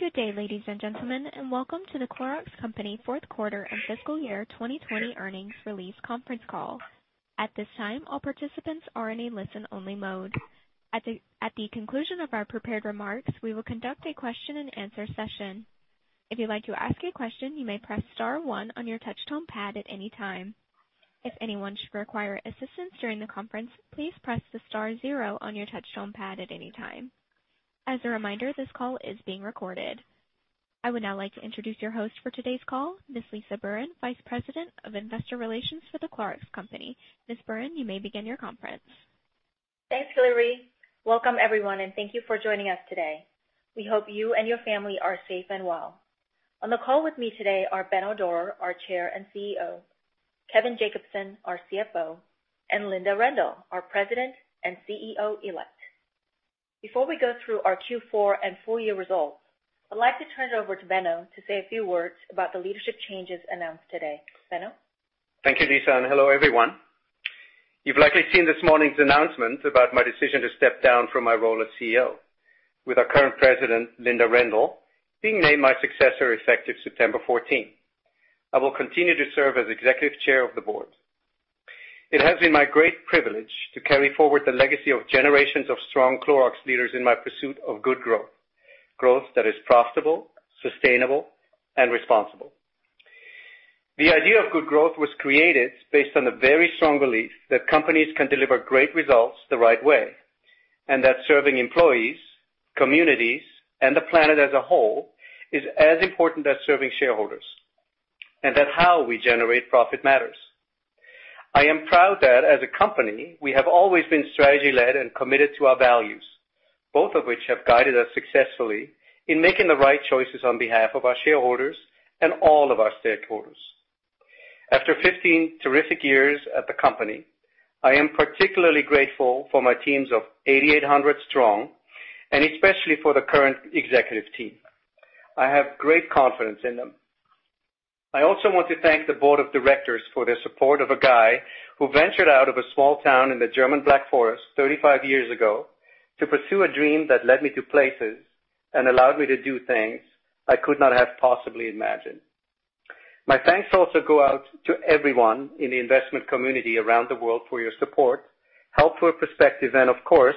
Good day, ladies and gentlemen, and welcome to The Clorox Company fourth quarter and fiscal year 2020 earnings release conference call. At this time, all participants are in a listen-only mode. At the conclusion of our prepared remarks, we will conduct a question-and-answer session. If you'd like to ask a question, you may press star one on your touchtone pad at any time. If anyone should require assistance during the conference, please press the star zero on your touchtone pad at any time. As a reminder, this call is being recorded. I would now like to introduce your host for today's call, Ms. Lisah Burhan, Vice President of Investor Relations for The Clorox Company. Ms. Burhan, you may begin your conference. Thanks, Hillary. Welcome, everyone, and thank you for joining us today. We hope you and your family are safe and well. On the call with me today are Benno Dorer, our Chair and CEO; Kevin Jacobsen, our CFO; and Linda Rendle, our President and CEO -Elect. Before we go through our Q4 and full-year results, I'd like to turn it over to Benno to say a few words about the leadership changes announced today. Benno? Thank you, Lisah, and hello, everyone. You've likely seen this morning's announcement about my decision to step down from my role as CEO, with our current President, Linda Rendle, being named my successor effective September 14. I will continue to serve as Executive Chair of the board. It has been my great privilege to carry forward the legacy of generations of strong Clorox leaders in my pursuit of good growth—growth that is profitable, sustainable, and responsible. The idea of good growth was created based on the very strong belief that companies can deliver great results the right way, and that serving employees, communities, and the planet as a whole is as important as serving shareholders, and that how we generate profit matters. I am proud that, as a company, we have always been strategy-led and committed to our values, both of which have guided us successfully in making the right choices on behalf of our shareholders and all of our stakeholders. After 15 terrific years at the company, I am particularly grateful for my teams of 8,800 strong, and especially for the current executive team. I have great confidence in them. I also want to thank the board of directors for their support of a guy who ventured out of a small town in the German Black Forest 35 years ago to pursue a dream that led me to places and allowed me to do things I could not have possibly imagined. My thanks also go out to everyone in the investment community around the world for your support, helpful perspective, and, of course,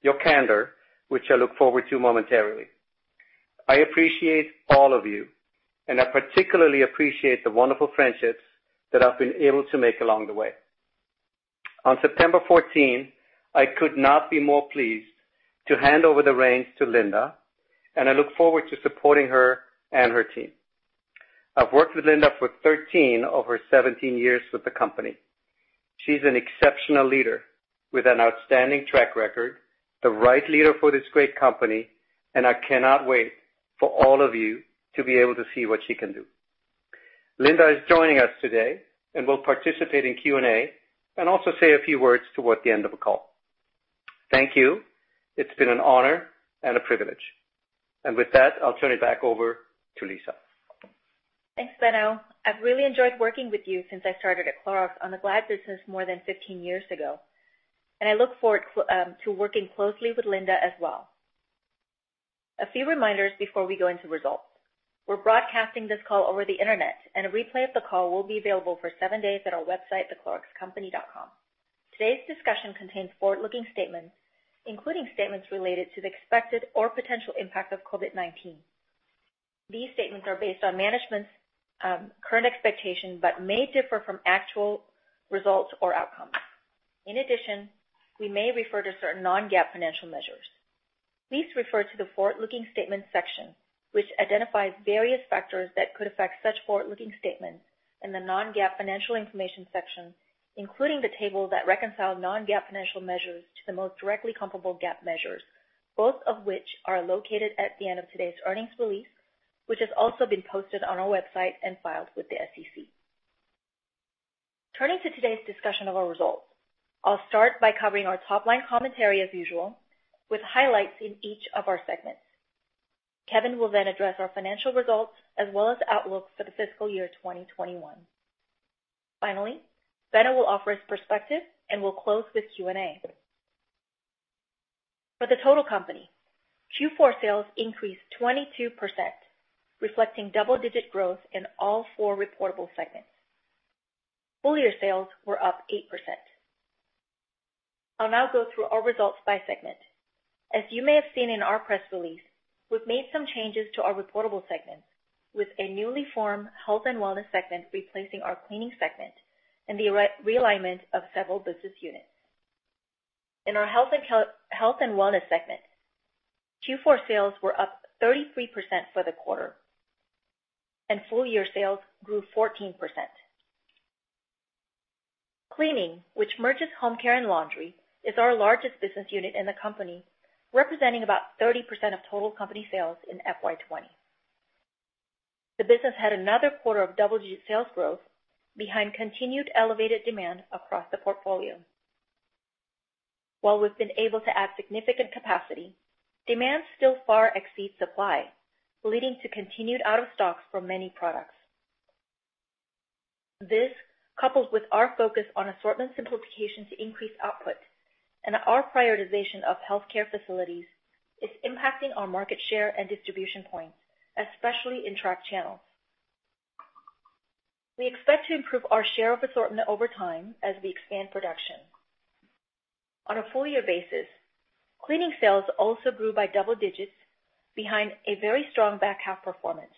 your candor, which I look forward to momentarily. I appreciate all of you, and I particularly appreciate the wonderful friendships that I've been able to make along the way. On September 14, I could not be more pleased to hand over the reins to Linda, and I look forward to supporting her and her team. I've worked with Linda for 13 of her 17 years with the company. She's an exceptional leader with an outstanding track record, the right leader for this great company, and I cannot wait for all of you to be able to see what she can do. Linda is joining us today and will participate in Q&A and also say a few words toward the end of the call. Thank you. It's been an honor and a privilege. With that, I'll turn it back over to Lisah. Thanks, Benno. I've really enjoyed working with you since I started at Clorox on the Glad business more than 15 years ago, and I look forward to working closely with Linda as well. A few reminders before we go into results. We're broadcasting this call over the internet, and a replay of the call will be available for seven days at our website, thecloroxcompany.com. Today's discussion contains forward-looking statements, including statements related to the expected or potential impact of COVID-19. These statements are based on management's current expectation but may differ from actual results or outcomes. In addition, we may refer to certain non-GAAP financial measures. Please refer to the forward-looking statements section, which identifies various factors that could affect such forward-looking statements, and the non-GAAP financial information section, including the table that reconciles non-GAAP financial measures to the most directly comparable GAAP measures, both of which are located at the end of today's earnings release, which has also been posted on our website and filed with the SEC. Turning to today's discussion of our results, I'll start by covering our top-line commentary as usual, with highlights in each of our segments. Kevin will then address our financial results as well as outlook for the fiscal year 2021. Finally, Benno will offer his perspective and will close with Q&A. For the total company, Q4 sales increased 22%, reflecting double-digit growth in all four reportable segments. Full-year sales were up 8%. I'll now go through our results by segment. As you may have seen in our press release, we've made some changes to our reportable segments, with a newly formed health and wellness segment replacing our cleaning segment and the realignment of several business units. In our health and wellness segment, Q4 sales were up 33% for the quarter, and full-year sales grew 14%. Cleaning, which merges home care and laundry, is our largest business unit in the company, representing about 30% of total company sales in FY 2020. The business had another quarter of double-digit sales growth behind continued elevated demand across the portfolio. While we've been able to add significant capacity, demand still far exceeds supply, leading to continued out-of-stocks for many products. This, coupled with our focus on assortment simplification to increase output and our prioritization of healthcare facilities, is impacting our market share and distribution points, especially in track channels. We expect to improve our share of assortment over time as we expand production. On a full-year basis, cleaning sales also grew by double digits behind a very strong back-half performance.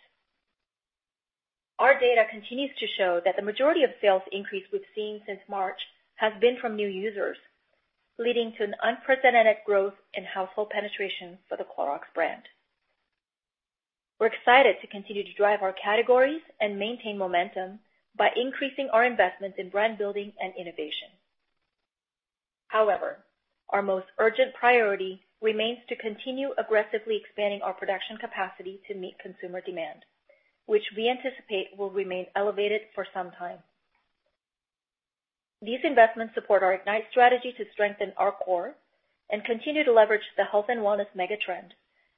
Our data continues to show that the majority of sales increase we've seen since March has been from new users, leading to an unprecedented growth in household penetration for the Clorox brand. We're excited to continue to drive our categories and maintain momentum by increasing our investments in brand building and innovation. However, our most urgent priority remains to continue aggressively expanding our production capacity to meet consumer demand, which we anticipate will remain elevated for some time. These investments support our Ignite strategy to strengthen our core and continue to leverage the health and wellness megatrend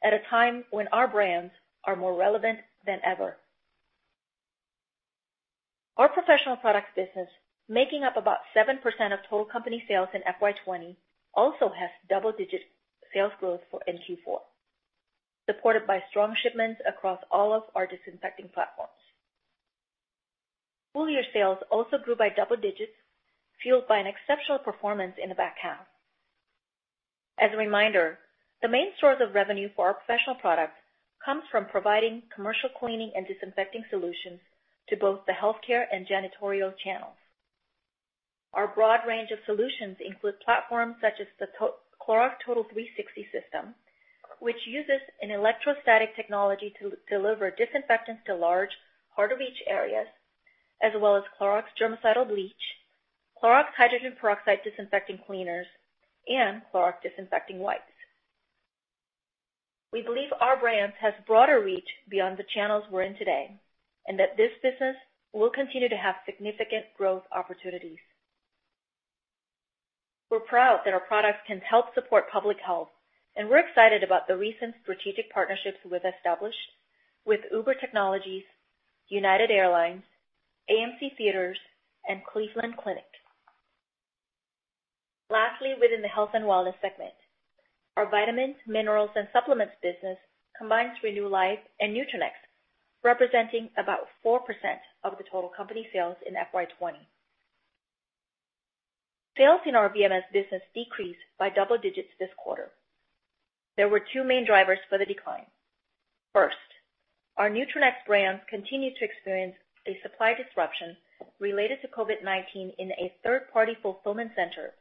at a time when our brands are more relevant than ever. Our professional products business, making up about 7% of total company sales in FY 2020, also has double-digit sales growth for in Q4, supported by strong shipments across all of our disinfecting platforms. Full-year sales also grew by double digits, fueled by an exceptional performance in the back-half. As a reminder, the main source of revenue for our professional products comes from providing commercial cleaning and disinfecting solutions to both the healthcare and janitorial channels. Our broad range of solutions includes platforms such as the Clorox Total 360 System, which uses an electrostatic technology to deliver disinfectants to large, hard-to-reach areas, as well as Clorox Germicidal Bleach, Clorox Hydrogen Peroxide Disinfecting Cleaners, and Clorox Disinfecting Wipes. We believe our brand has broader reach beyond the channels we're in today and that this business will continue to have significant growth opportunities. We're proud that our products can help support public health, and we're excited about the recent strategic partnerships we've established with Uber Technologies, United Airlines, AMC Theaters, and Cleveland Clinic. Lastly, within the health and wellness segment, our vitamins, minerals, and supplements business combines RenewLife and Nutranex, representing about 4% of the total company sales in FY 2020. Sales in our VMS business decreased by double digits this quarter. There were two main drivers for the decline. First, our Nutranex brand continued to experience a supply disruption related to COVID-19 in a third-party fulfillment center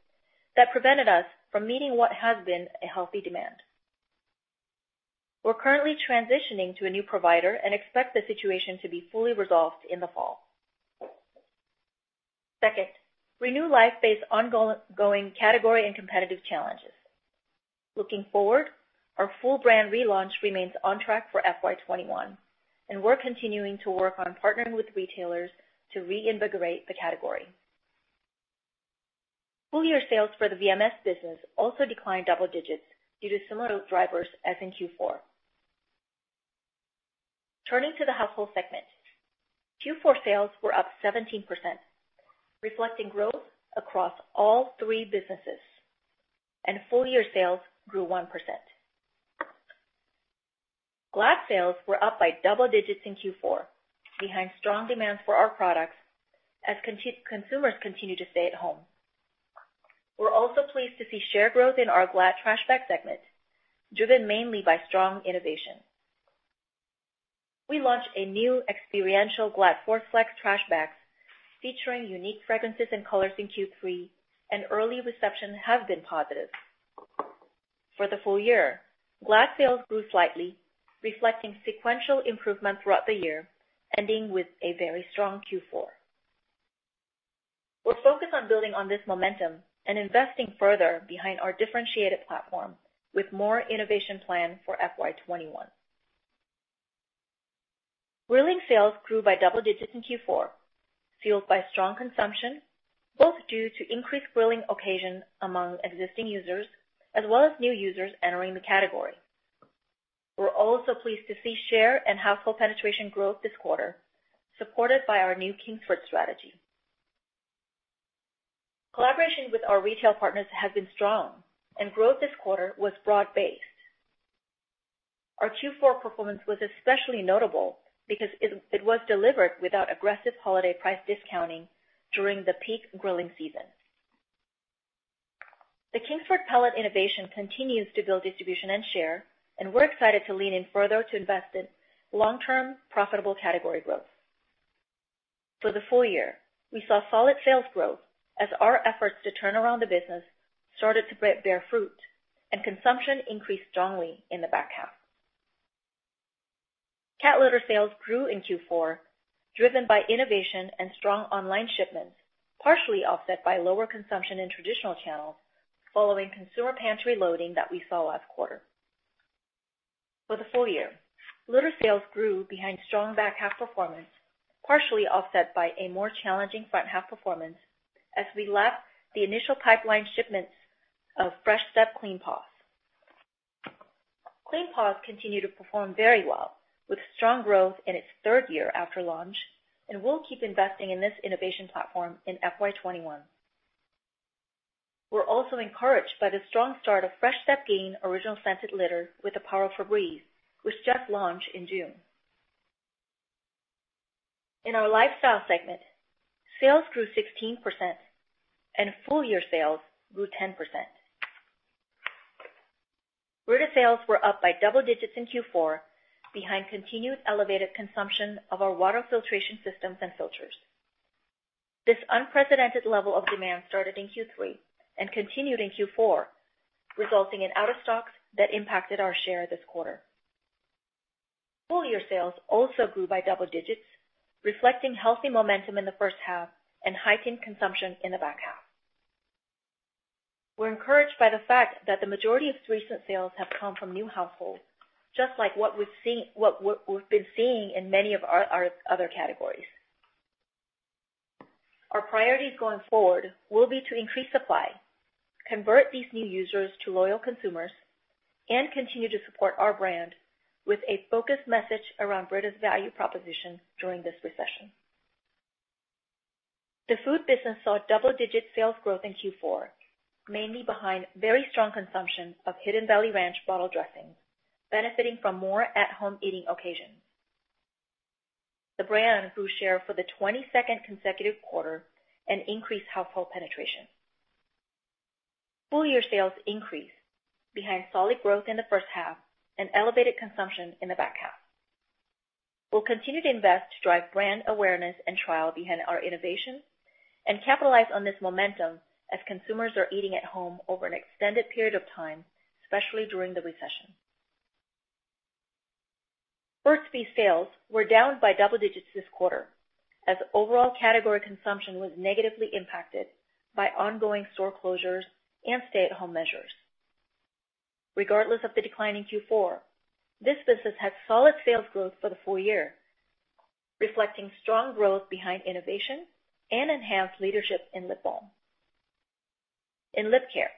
that prevented us from meeting what has been a healthy demand. We're currently transitioning to a new provider and expect the situation to be fully resolved in the fall. Second, RenewLife faced ongoing category and competitive challenges. Looking forward, our full-brand relaunch remains on track for FY 2021, and we're continuing to work on partnering with retailers to reinvigorate the category. Full-year sales for the VMS business also declined double digits due to similar drivers as in Q4. Turning to the household segment, Q4 sales were up 17%, reflecting growth across all three businesses, and full-year sales grew 1%. Glad sales were up by double digits in Q4, behind strong demand for our products as consumers continue to stay at home. We're also pleased to see share growth in our Glad trash bag segment, driven mainly by strong innovation. We launched new experiential Glad Force Flex trash bags featuring unique fragrances and colors in Q3, and early receptions have been positive. For the full year, Glad sales grew slightly, reflecting sequential improvement throughout the year, ending with a very strong Q4. We're focused on building on this momentum and investing further behind our differentiated platform with more innovation planned for FY 2021. Grilling sales grew by double digits in Q4, fueled by strong consumption, both due to increased grilling occasion among existing users as well as new users entering the category. We're also pleased to see share and household penetration growth this quarter, supported by our new Kingsford strategy. Collaboration with our retail partners has been strong, and growth this quarter was broad-based. Our Q4 performance was especially notable because it was delivered without aggressive holiday price discounting during the peak grilling season. The Kingsford pellet innovation continues to build distribution and share, and we're excited to lean in further to invest in long-term profitable category growth. For the full year, we saw solid sales growth as our efforts to turn around the business started to bear fruit, and consumption increased strongly in the back-half. Cat litter sales grew in Q4, driven by innovation and strong online shipments, partially offset by lower consumption in traditional channels following consumer pantry loading that we saw last quarter. For the full year, litter sales grew behind strong back-half performance, partially offset by a more challenging front-half performance as we left the initial pipeline shipments of Fresh Step Clean Paws. Clean Paws continued to perform very well, with strong growth in its third year after launch, and we'll keep investing in this innovation platform in FY 2021. We're also encouraged by the strong start of Fresh Step Gain Original Scented Litter with the Power for Breathe, which just launched in June. In our lifestyle segment, sales grew 16%, and full-year sales grew 10%. Brita sales were up by double digits in Q4, behind continued elevated consumption of our water filtration systems and filters. This unprecedented level of demand started in Q3 and continued in Q4, resulting in out-of-stocks that impacted our share this quarter. Full-year sales also grew by double digits, reflecting healthy momentum in the first half and heightened consumption in the back-half. We're encouraged by the fact that the majority of recent sales have come from new households, just like what we've been seeing in many of our other categories. Our priorities going forward will be to increase supply, convert these new users to loyal consumers, and continue to support our brand with a focused message around Brita's value proposition during this recession. The food business saw double-digit sales growth in Q4, mainly behind very strong consumption of Hidden Valley Ranch bottle dressings, benefiting from more at-home eating occasions. The brand grew share for the 22nd consecutive quarter and increased household penetration. Full-year sales increased behind solid growth in the first half and elevated consumption in the back-half. We'll continue to invest to drive brand awareness and trial behind our innovation and capitalize on this momentum as consumers are eating at home over an extended period of time, especially during the recession. Burt's Bees sales were down by double digits this quarter as overall category consumption was negatively impacted by ongoing store closures and stay-at-home measures. Regardless of the decline in Q4, this business had solid sales growth for the full year, reflecting strong growth behind innovation and enhanced leadership in lip balm. In lip care,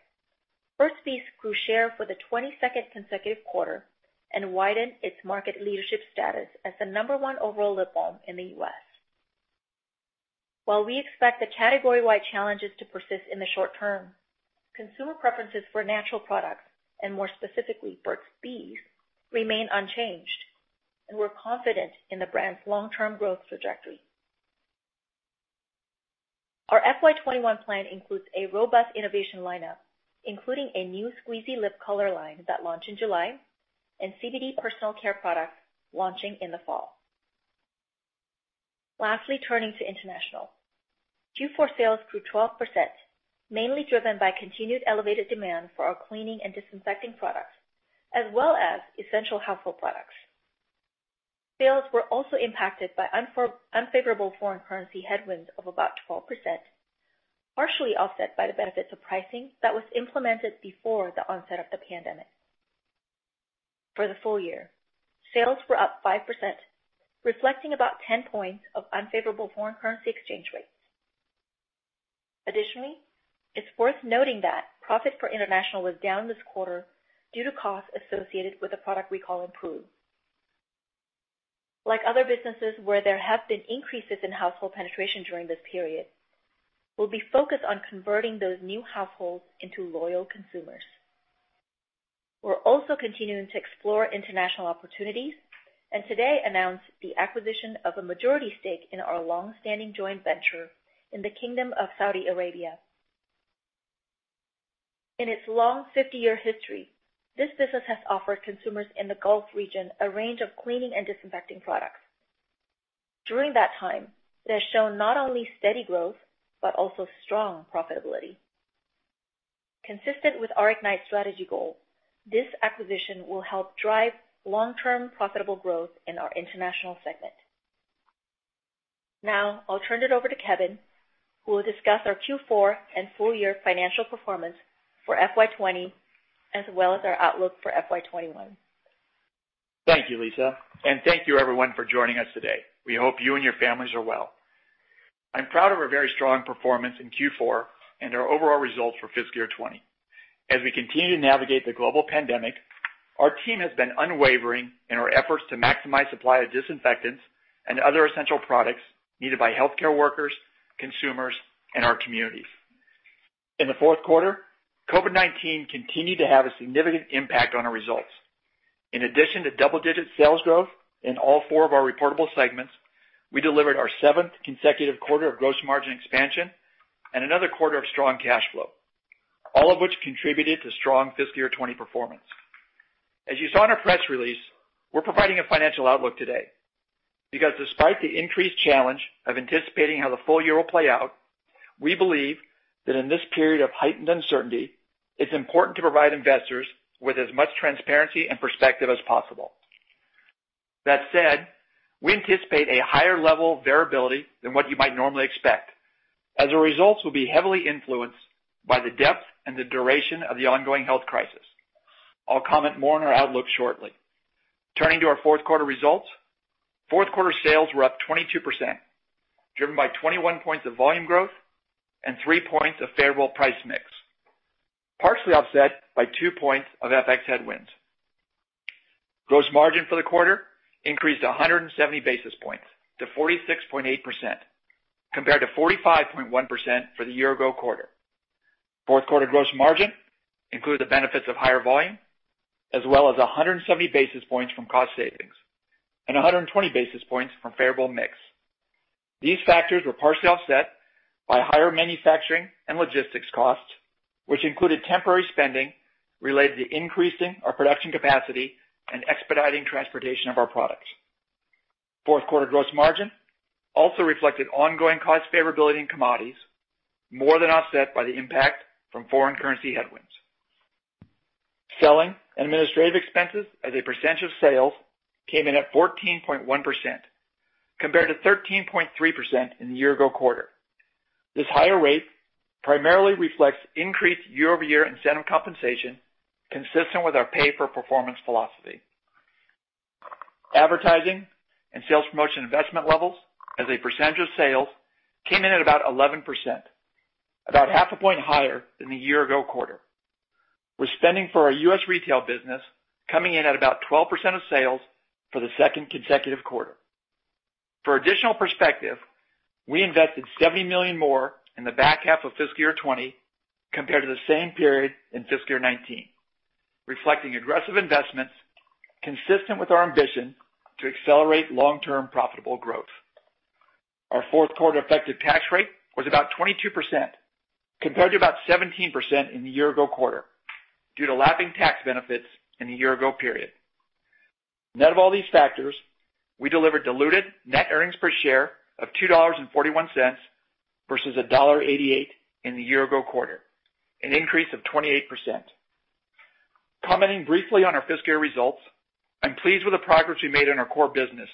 Burt's Bees grew share for the 22nd consecutive quarter and widened its market leadership status as the number one overall lip balm in the US. While we expect the category-wide challenges to persist in the short term, consumer preferences for natural products, and more specifically Burt's Bees', remain unchanged, and we're confident in the brand's long-term growth trajectory. Our FY 2021 plan includes a robust innovation lineup, including a new Squeezy Lip Color line that launched in July and CBD personal care products launching in the fall. Lastly, turning to international, Q4 sales grew 12%, mainly driven by continued elevated demand for our cleaning and disinfecting products as well as essential household products. Sales were also impacted by unfavorable foreign currency headwinds of about 12%, partially offset by the benefits of pricing that was implemented before the onset of the pandemic. For the full year, sales were up 5%, reflecting about 10 points of unfavorable foreign currency exchange rates. Additionally, it's worth noting that profit for international was down this quarter due to costs associated with the product recall improved. Like other businesses where there have been increases in household penetration during this period, we'll be focused on converting those new households into loyal consumers. We're also continuing to explore international opportunities and today announced the acquisition of a majority stake in our long-standing joint venture in the Kingdom of Saudi Arabia. In its long 50-year history, this business has offered consumers in the Gulf region a range of cleaning and disinfecting products. During that time, it has shown not only steady growth but also strong profitability. Consistent with our Ignite strategy goal, this acquisition will help drive long-term profitable growth in our international segment. Now, I'll turn it over to Kevin, who will discuss our Q4 and full-year financial performance for FY 2020 as well as our outlook for FY 2021. Thank you, Lisa, and thank you everyone for joining us today. We hope you and your families are well. I'm proud of our very strong performance in Q4 and our overall results for fiscal year 2020. As we continue to navigate the global pandemic, our team has been unwavering in our efforts to maximize supply of disinfectants and other essential products needed by healthcare workers, consumers, and our communities. In the fourth quarter, COVID-19 continued to have a significant impact on our results. In addition to double-digit sales growth in all four of our reportable segments, we delivered our seventh consecutive quarter of gross margin expansion and another quarter of strong cash flow, all of which contributed to strong fiscal year 2020 performance. As you saw in our press release, we're providing a financial outlook today because, despite the increased challenge of anticipating how the full year will play out, we believe that in this period of heightened uncertainty, it's important to provide investors with as much transparency and perspective as possible. That said, we anticipate a higher level of variability than what you might normally expect, as our results will be heavily influenced by the depth and the duration of the ongoing health crisis. I'll comment more on our outlook shortly. Turning to our fourth quarter results, fourth quarter sales were up 22%, driven by 21 points of volume growth and three points of favorable price mix, partially offset by two points of FX headwinds. Gross margin for the quarter increased 170 basis points to 46.8%, compared to 45.1% for the year-ago quarter. Fourth quarter gross margin included the benefits of higher volume as well as 170 basis points from cost savings and 120 basis points from favorable mix. These factors were partially offset by higher manufacturing and logistics costs, which included temporary spending related to increasing our production capacity and expediting transportation of our products. Fourth quarter gross margin also reflected ongoing cost favorability in commodities, more than offset by the impact from foreign currency headwinds. Selling and administrative expenses as a percentage of sales came in at 14.1%, compared to 13.3% in the year-ago quarter. This higher rate primarily reflects increased year-over-year incentive compensation, consistent with our pay-for-performance philosophy. Advertising and sales promotion investment levels as a percentage of sales came in at about 11%, about half a point higher than the year-ago quarter. We're spending for our US retail business coming in at about 12% of sales for the second consecutive quarter. For additional perspective, we invested $70 million more in the back-half of fiscal year 2020 compared to the same period in fiscal year 2019, reflecting aggressive investments consistent with our ambition to accelerate long-term profitable growth. Our fourth quarter effective tax rate was about 22%, compared to about 17% in the year-ago quarter due to lapping tax benefits in the year-ago period. Net of all these factors, we delivered diluted net earnings per share of $2.41 versus $1.88 in the year-ago quarter, an increase of 28%. Commenting briefly on our fiscal year results, I'm pleased with the progress we made in our core business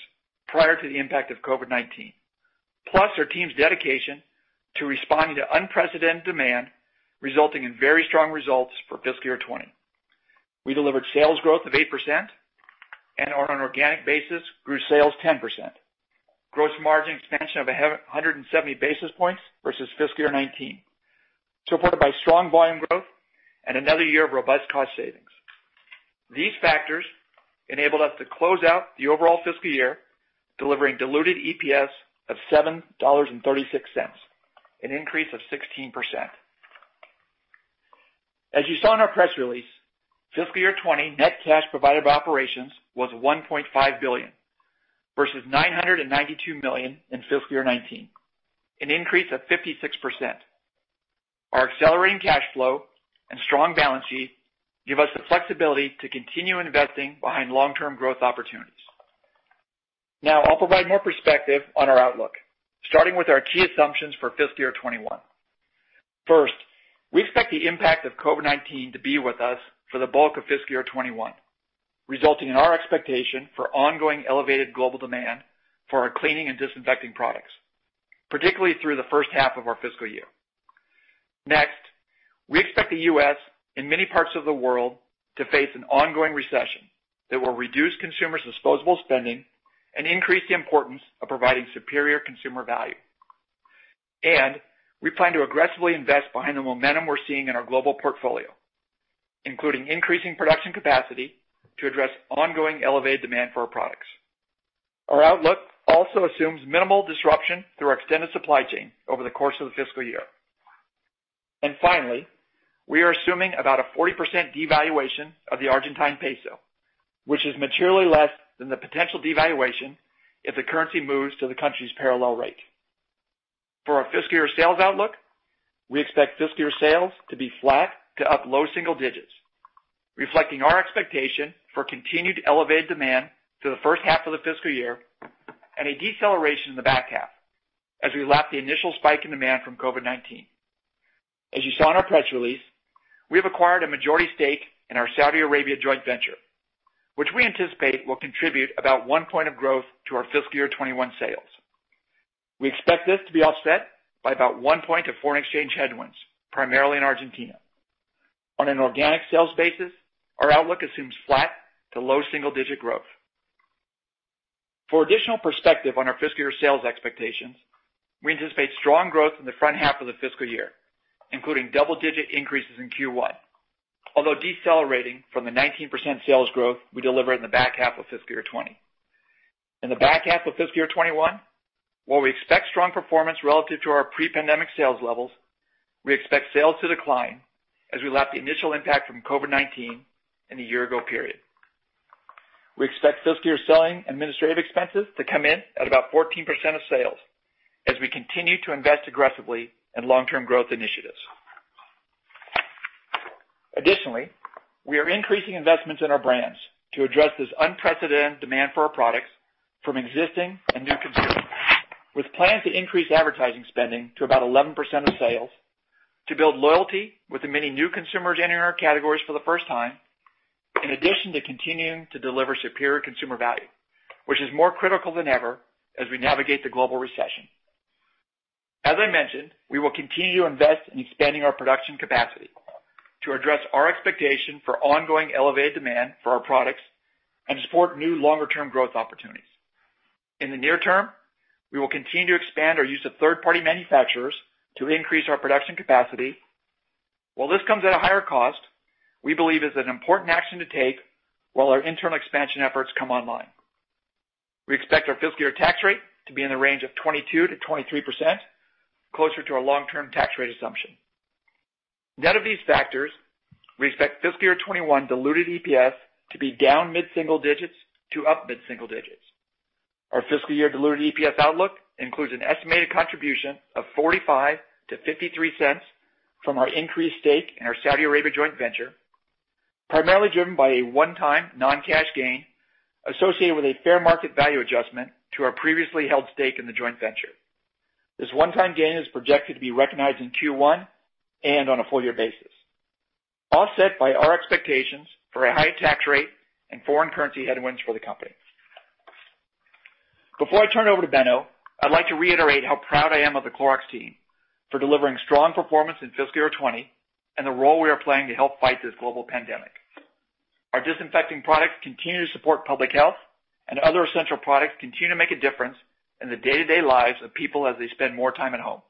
prior to the impact of COVID-19, plus our team's dedication to responding to unprecedented demand, resulting in very strong results for fiscal year 2020. We delivered sales growth of 8% and, on an organic basis, grew sales 10%. Gross margin expansion of 170 basis points versus fiscal year 2019, supported by strong volume growth and another year of robust cost savings. These factors enabled us to close out the overall fiscal year, delivering diluted EPS of $7.36, an increase of 16%. As you saw in our press release, fiscal year 2020 net cash provided by operations was $1.5 billion versus $992 million in fiscal year 2019, an increase of 56%. Our accelerating cash flow and strong balance sheet give us the flexibility to continue investing behind long-term growth opportunities. Now, I'll provide more perspective on our outlook, starting with our key assumptions for fiscal year 2021. First, we expect the impact of COVID-19 to be with us for the bulk of fiscal year 2021, resulting in our expectation for ongoing elevated global demand for our cleaning and disinfecting products, particularly through the first half of our fiscal year. Next, we expect the U.S. and many parts of the world to face an ongoing recession that will reduce consumers' disposable spending and increase the importance of providing superior consumer value. We plan to aggressively invest behind the momentum we're seeing in our global portfolio, including increasing production capacity to address ongoing elevated demand for our products. Our outlook also assumes minimal disruption through our extended supply chain over the course of the fiscal year. Finally, we are assuming about a 40% devaluation of the Argentine peso, which is materially less than the potential devaluation if the currency moves to the country's parallel rate. For our fiscal year sales outlook, we expect fiscal year sales to be flat to up low single digits, reflecting our expectation for continued elevated demand through the first half of the fiscal year and a deceleration in the back half as we lap the initial spike in demand from COVID-19. As you saw in our press release, we have acquired a majority stake in our Saudi Arabia joint venture, which we anticipate will contribute about one point of growth to our fiscal year 2021 sales. We expect this to be offset by about one point of foreign exchange headwinds, primarily in Argentina. On an organic sales basis, our outlook assumes flat to low single-digit growth. For additional perspective on our fiscal year sales expectations, we anticipate strong growth in the front half of the fiscal year, including double-digit increases in Q1, although decelerating from the 19% sales growth we delivered in the back-half of fiscal year 2020. In the back-half of fiscal year 2021, while we expect strong performance relative to our pre-pandemic sales levels, we expect sales to decline as we lap the initial impact from COVID-19 in the year-ago period. We expect fiscal year selling and administrative expenses to come in at about 14% of sales as we continue to invest aggressively in long-term growth initiatives. Additionally, we are increasing investments in our brands to address this unprecedented demand for our products from existing and new consumers, with plans to increase advertising spending to about 11% of sales to build loyalty with the many new consumers entering our categories for the first time, in addition to continuing to deliver superior consumer value, which is more critical than ever as we navigate the global recession. As I mentioned, we will continue to invest in expanding our production capacity to address our expectation for ongoing elevated demand for our products and support new longer-term growth opportunities. In the near term, we will continue to expand our use of third-party manufacturers to increase our production capacity. While this comes at a higher cost, we believe it's an important action to take while our internal expansion efforts come online. We expect our fiscal year tax rate to be in the range of 22%-23%, closer to our long-term tax rate assumption. Net of these factors, we expect fiscal year 2021 diluted EPS to be down mid-single digits to up mid-single digits. Our fiscal year diluted EPS outlook includes an estimated contribution of $0.45-$0.53 from our increased stake in our Saudi Arabia joint venture, primarily driven by a one-time non-cash gain associated with a fair market value adjustment to our previously held stake in the joint venture. This one-time gain is projected to be recognized in Q1 and on a full-year basis, offset by our expectations for a high tax rate and foreign currency headwinds for the company. Before I turn it over to Benno, I'd like to reiterate how proud I am of the Clorox team for delivering strong performance in fiscal year 2020 and the role we are playing to help fight this global pandemic. Our disinfecting products continue to support public health, and other essential products continue to make a difference in the day-to-day lives of people as they spend more time at home.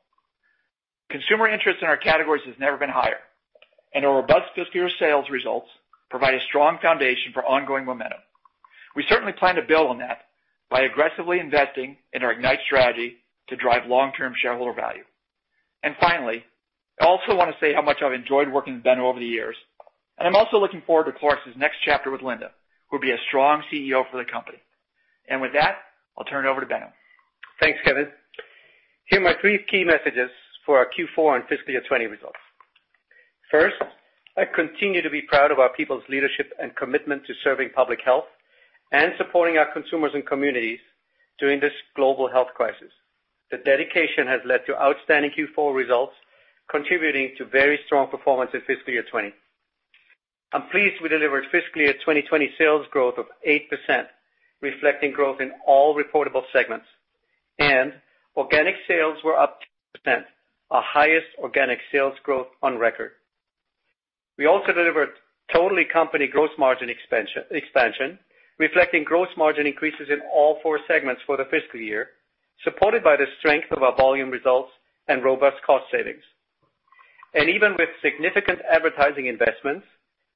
Consumer interest in our categories has never been higher, and our robust fiscal year sales results provide a strong foundation for ongoing momentum. We certainly plan to build on that by aggressively investing in our Ignite strategy to drive long-term shareholder value. Finally, I also want to say how much I've enjoyed working with Benno over the years, and I'm also looking forward to Clorox's next chapter with Linda, who will be a strong CEO for the company. With that, I'll turn it over to Benno. Thanks, Kevin. Here are my three key messages for our Q4 and fiscal year 2020 results. First, I continue to be proud of our people's leadership and commitment to serving public health and supporting our consumers and communities during this global health crisis. The dedication has led to outstanding Q4 results, contributing to very strong performance in fiscal year 2020. I'm pleased we delivered fiscal year 2020 sales growth of 8%, reflecting growth in all reportable segments, and organic sales were up 10%, our highest organic sales growth on record. We also delivered total company gross margin expansion, reflecting gross margin increases in all four segments for the fiscal year, supported by the strength of our volume results and robust cost savings. Even with significant advertising investments,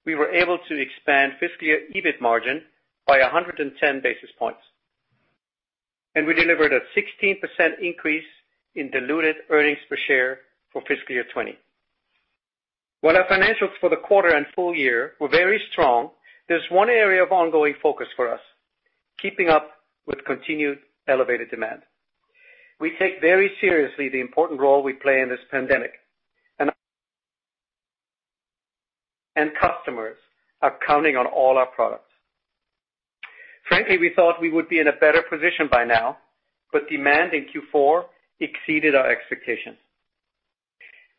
we were able to expand fiscal year EBIT margin by 110 basis points, and we delivered a 16% increase in diluted earnings per share for fiscal year 2020. While our financials for the quarter and full year were very strong, there is one area of ongoing focus for us: keeping up with continued elevated demand. We take very seriously the important role we play in this pandemic, and customers are counting on all our products. Frankly, we thought we would be in a better position by now, but demand in Q4 exceeded our expectations.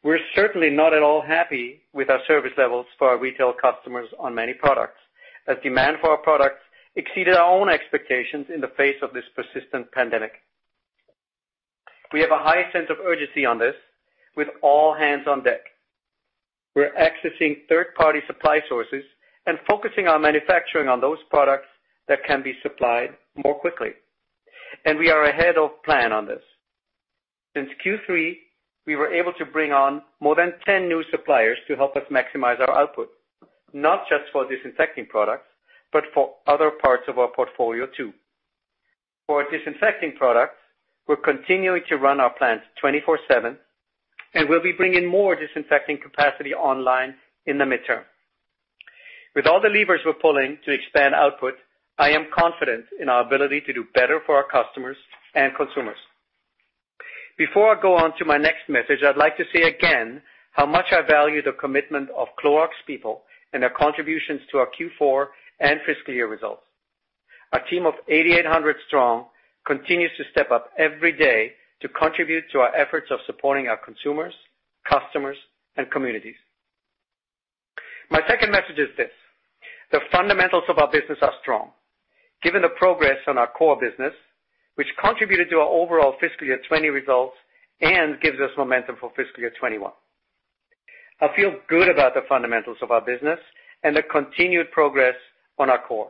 We are certainly not at all happy with our service levels for our retail customers on many products, as demand for our products exceeded our own expectations in the face of this persistent pandemic. We have a high sense of urgency on this, with all hands on deck. We're accessing third-party supply sources and focusing our manufacturing on those products that can be supplied more quickly, and we are ahead of plan on this. Since Q3, we were able to bring on more than 10 new suppliers to help us maximize our output, not just for disinfecting products, but for other parts of our portfolio too. For disinfecting products, we're continuing to run our plants 24/7, and we'll be bringing more disinfecting capacity online in the midterm. With all the levers we're pulling to expand output, I am confident in our ability to do better for our customers and consumers. Before I go on to my next message, I'd like to say again how much I value the commitment of Clorox people and their contributions to our Q4 and fiscal year results. Our team of 8,800 strong continues to step up every day to contribute to our efforts of supporting our consumers, customers, and communities. My second message is this: the fundamentals of our business are strong, given the progress on our core business, which contributed to our overall fiscal year 2020 results and gives us momentum for fiscal year 2021. I feel good about the fundamentals of our business and the continued progress on our core.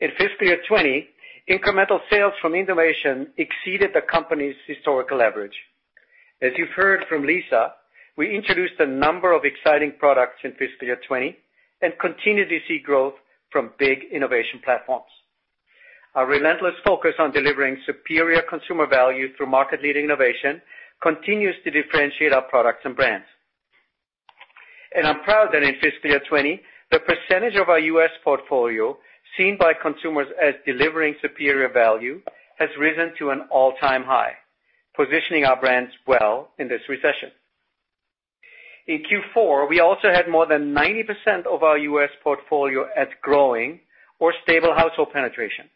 In fiscal year 2020, incremental sales from innovation exceeded the company's historical average. As you've heard from Lisah, we introduced a number of exciting products in fiscal year 2020 and continue to see growth from big innovation platforms. Our relentless focus on delivering superior consumer value through market-leading innovation continues to differentiate our products and brands. I am proud that in fiscal year 2020, the percentage of our US portfolio seen by consumers as delivering superior value has risen to an all-time high, positioning our brands well in this recession. In Q4, we also had more than 90% of our US portfolio at growing or stable household penetration,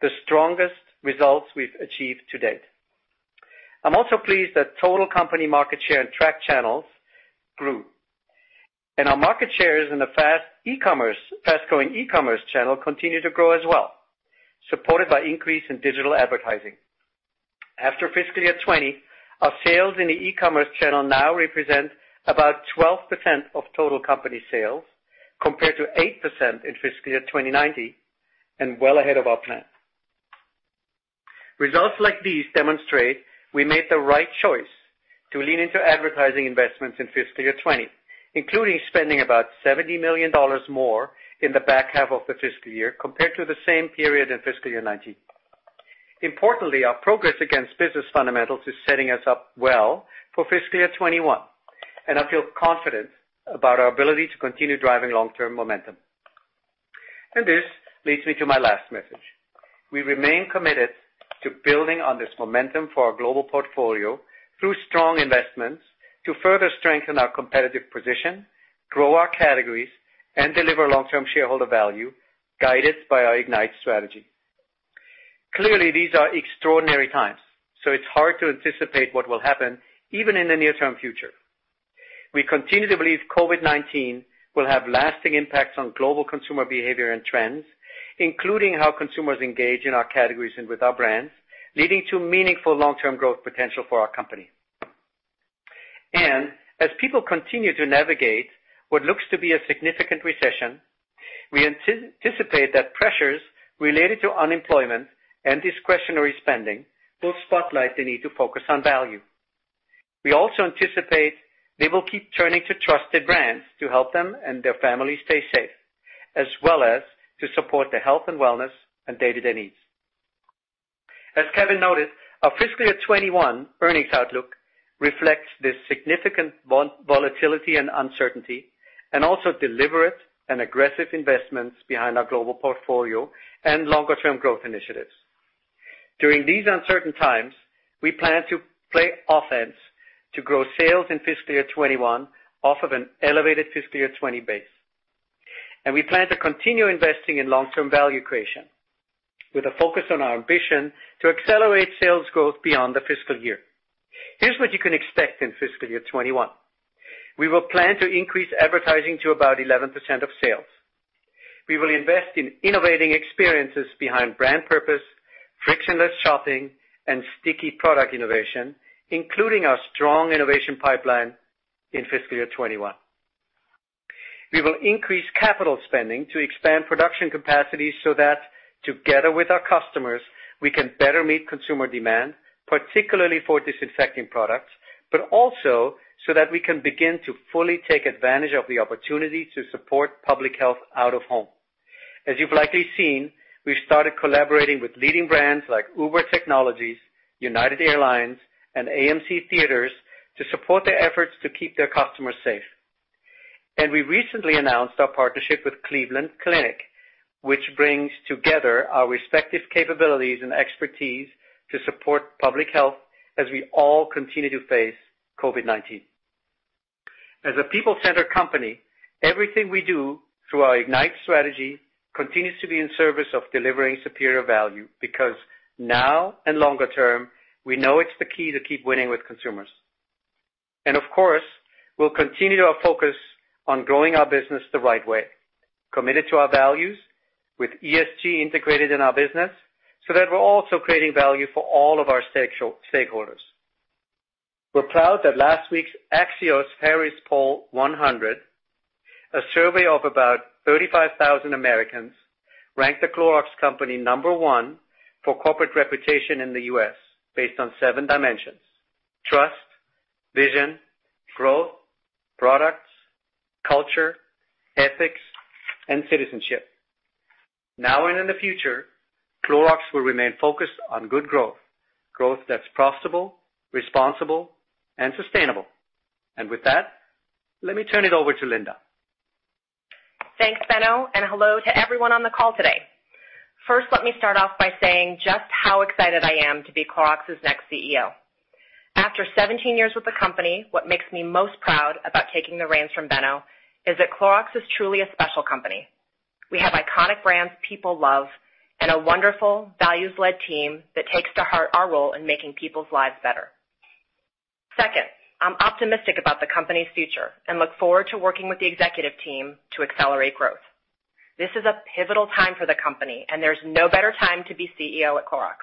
the strongest results we have achieved to date. I am also pleased that total company market share in track channels grew, and our market shares in the fast-growing e-commerce channel continue to grow as well, supported by increase in digital advertising. After fiscal year 2020, our sales in the e-commerce channel now represent about 12% of total company sales, compared to 8% in fiscal year 2019, and well ahead of our plan. Results like these demonstrate we made the right choice to lean into advertising investments in fiscal year 2020, including spending about $70 million more in the back-half of the fiscal year compared to the same period in fiscal year 2019. Importantly, our progress against business fundamentals is setting us up well for fiscal year 2021, and I feel confident about our ability to continue driving long-term momentum. This leads me to my last message. We remain committed to building on this momentum for our global portfolio through strong investments to further strengthen our competitive position, grow our categories, and deliver long-term shareholder value guided by our Ignite strategy. Clearly, these are extraordinary times, so it is hard to anticipate what will happen even in the near-term future. We continue to believe COVID-19 will have lasting impacts on global consumer behavior and trends, including how consumers engage in our categories and with our brands, leading to meaningful long-term growth potential for our company. As people continue to navigate what looks to be a significant recession, we anticipate that pressures related to unemployment and discretionary spending will spotlight the need to focus on value. We also anticipate they will keep turning to trusted brands to help them and their families stay safe, as well as to support the health and wellness and day-to-day needs. As Kevin noted, our fiscal year 2021 earnings outlook reflects this significant volatility and uncertainty and also deliberate and aggressive investments behind our global portfolio and longer-term growth initiatives. During these uncertain times, we plan to play offense to grow sales in fiscal year 2021 off of an elevated fiscal year 2020 base. We plan to continue investing in long-term value creation with a focus on our ambition to accelerate sales growth beyond the fiscal year. Here is what you can expect in fiscal year 2021. We will plan to increase advertising to about 11% of sales. We will invest in innovating experiences behind brand purpose, frictionless shopping, and sticky product innovation, including our strong innovation pipeline in fiscal year 2021. We will increase capital spending to expand production capacity so that, together with our customers, we can better meet consumer demand, particularly for disinfecting products, but also so that we can begin to fully take advantage of the opportunity to support public health out of home. As you have likely seen, we have started collaborating with leading brands like Uber Technologies, United Airlines, and AMC Theaters to support their efforts to keep their customers safe. We recently announced our partnership with Cleveland Clinic, which brings together our respective capabilities and expertise to support public health as we all continue to face COVID-19. As a people-centered company, everything we do through our Ignite strategy continues to be in service of delivering superior value because now and longer term, we know it's the key to keep winning with consumers. Of course, we'll continue to focus on growing our business the right way, committed to our values with ESG integrated in our business so that we're also creating value for all of our stakeholders. We're proud that last week's Axios Harris Poll 100, a survey of about 35,000 Americans, ranked The Clorox Company number one for corporate reputation in the U.S. based on seven dimensions: trust, vision, growth, products, culture, ethics, and citizenship. Now and in the future, Clorox will remain focused on good growth, growth that's profitable, responsible, and sustainable. With that, let me turn it over to Linda. Thanks, Benno, and hello to everyone on the call today. First, let me start off by saying just how excited I am to be Clorox's next CEO. After 17 years with the company, what makes me most proud about taking the reins from Benno is that Clorox is truly a special company. We have iconic brands people love and a wonderful values-led team that takes to heart our role in making people's lives better. Second, I'm optimistic about the company's future and look forward to working with the executive team to accelerate growth. This is a pivotal time for the company, and there's no better time to be CEO at Clorox.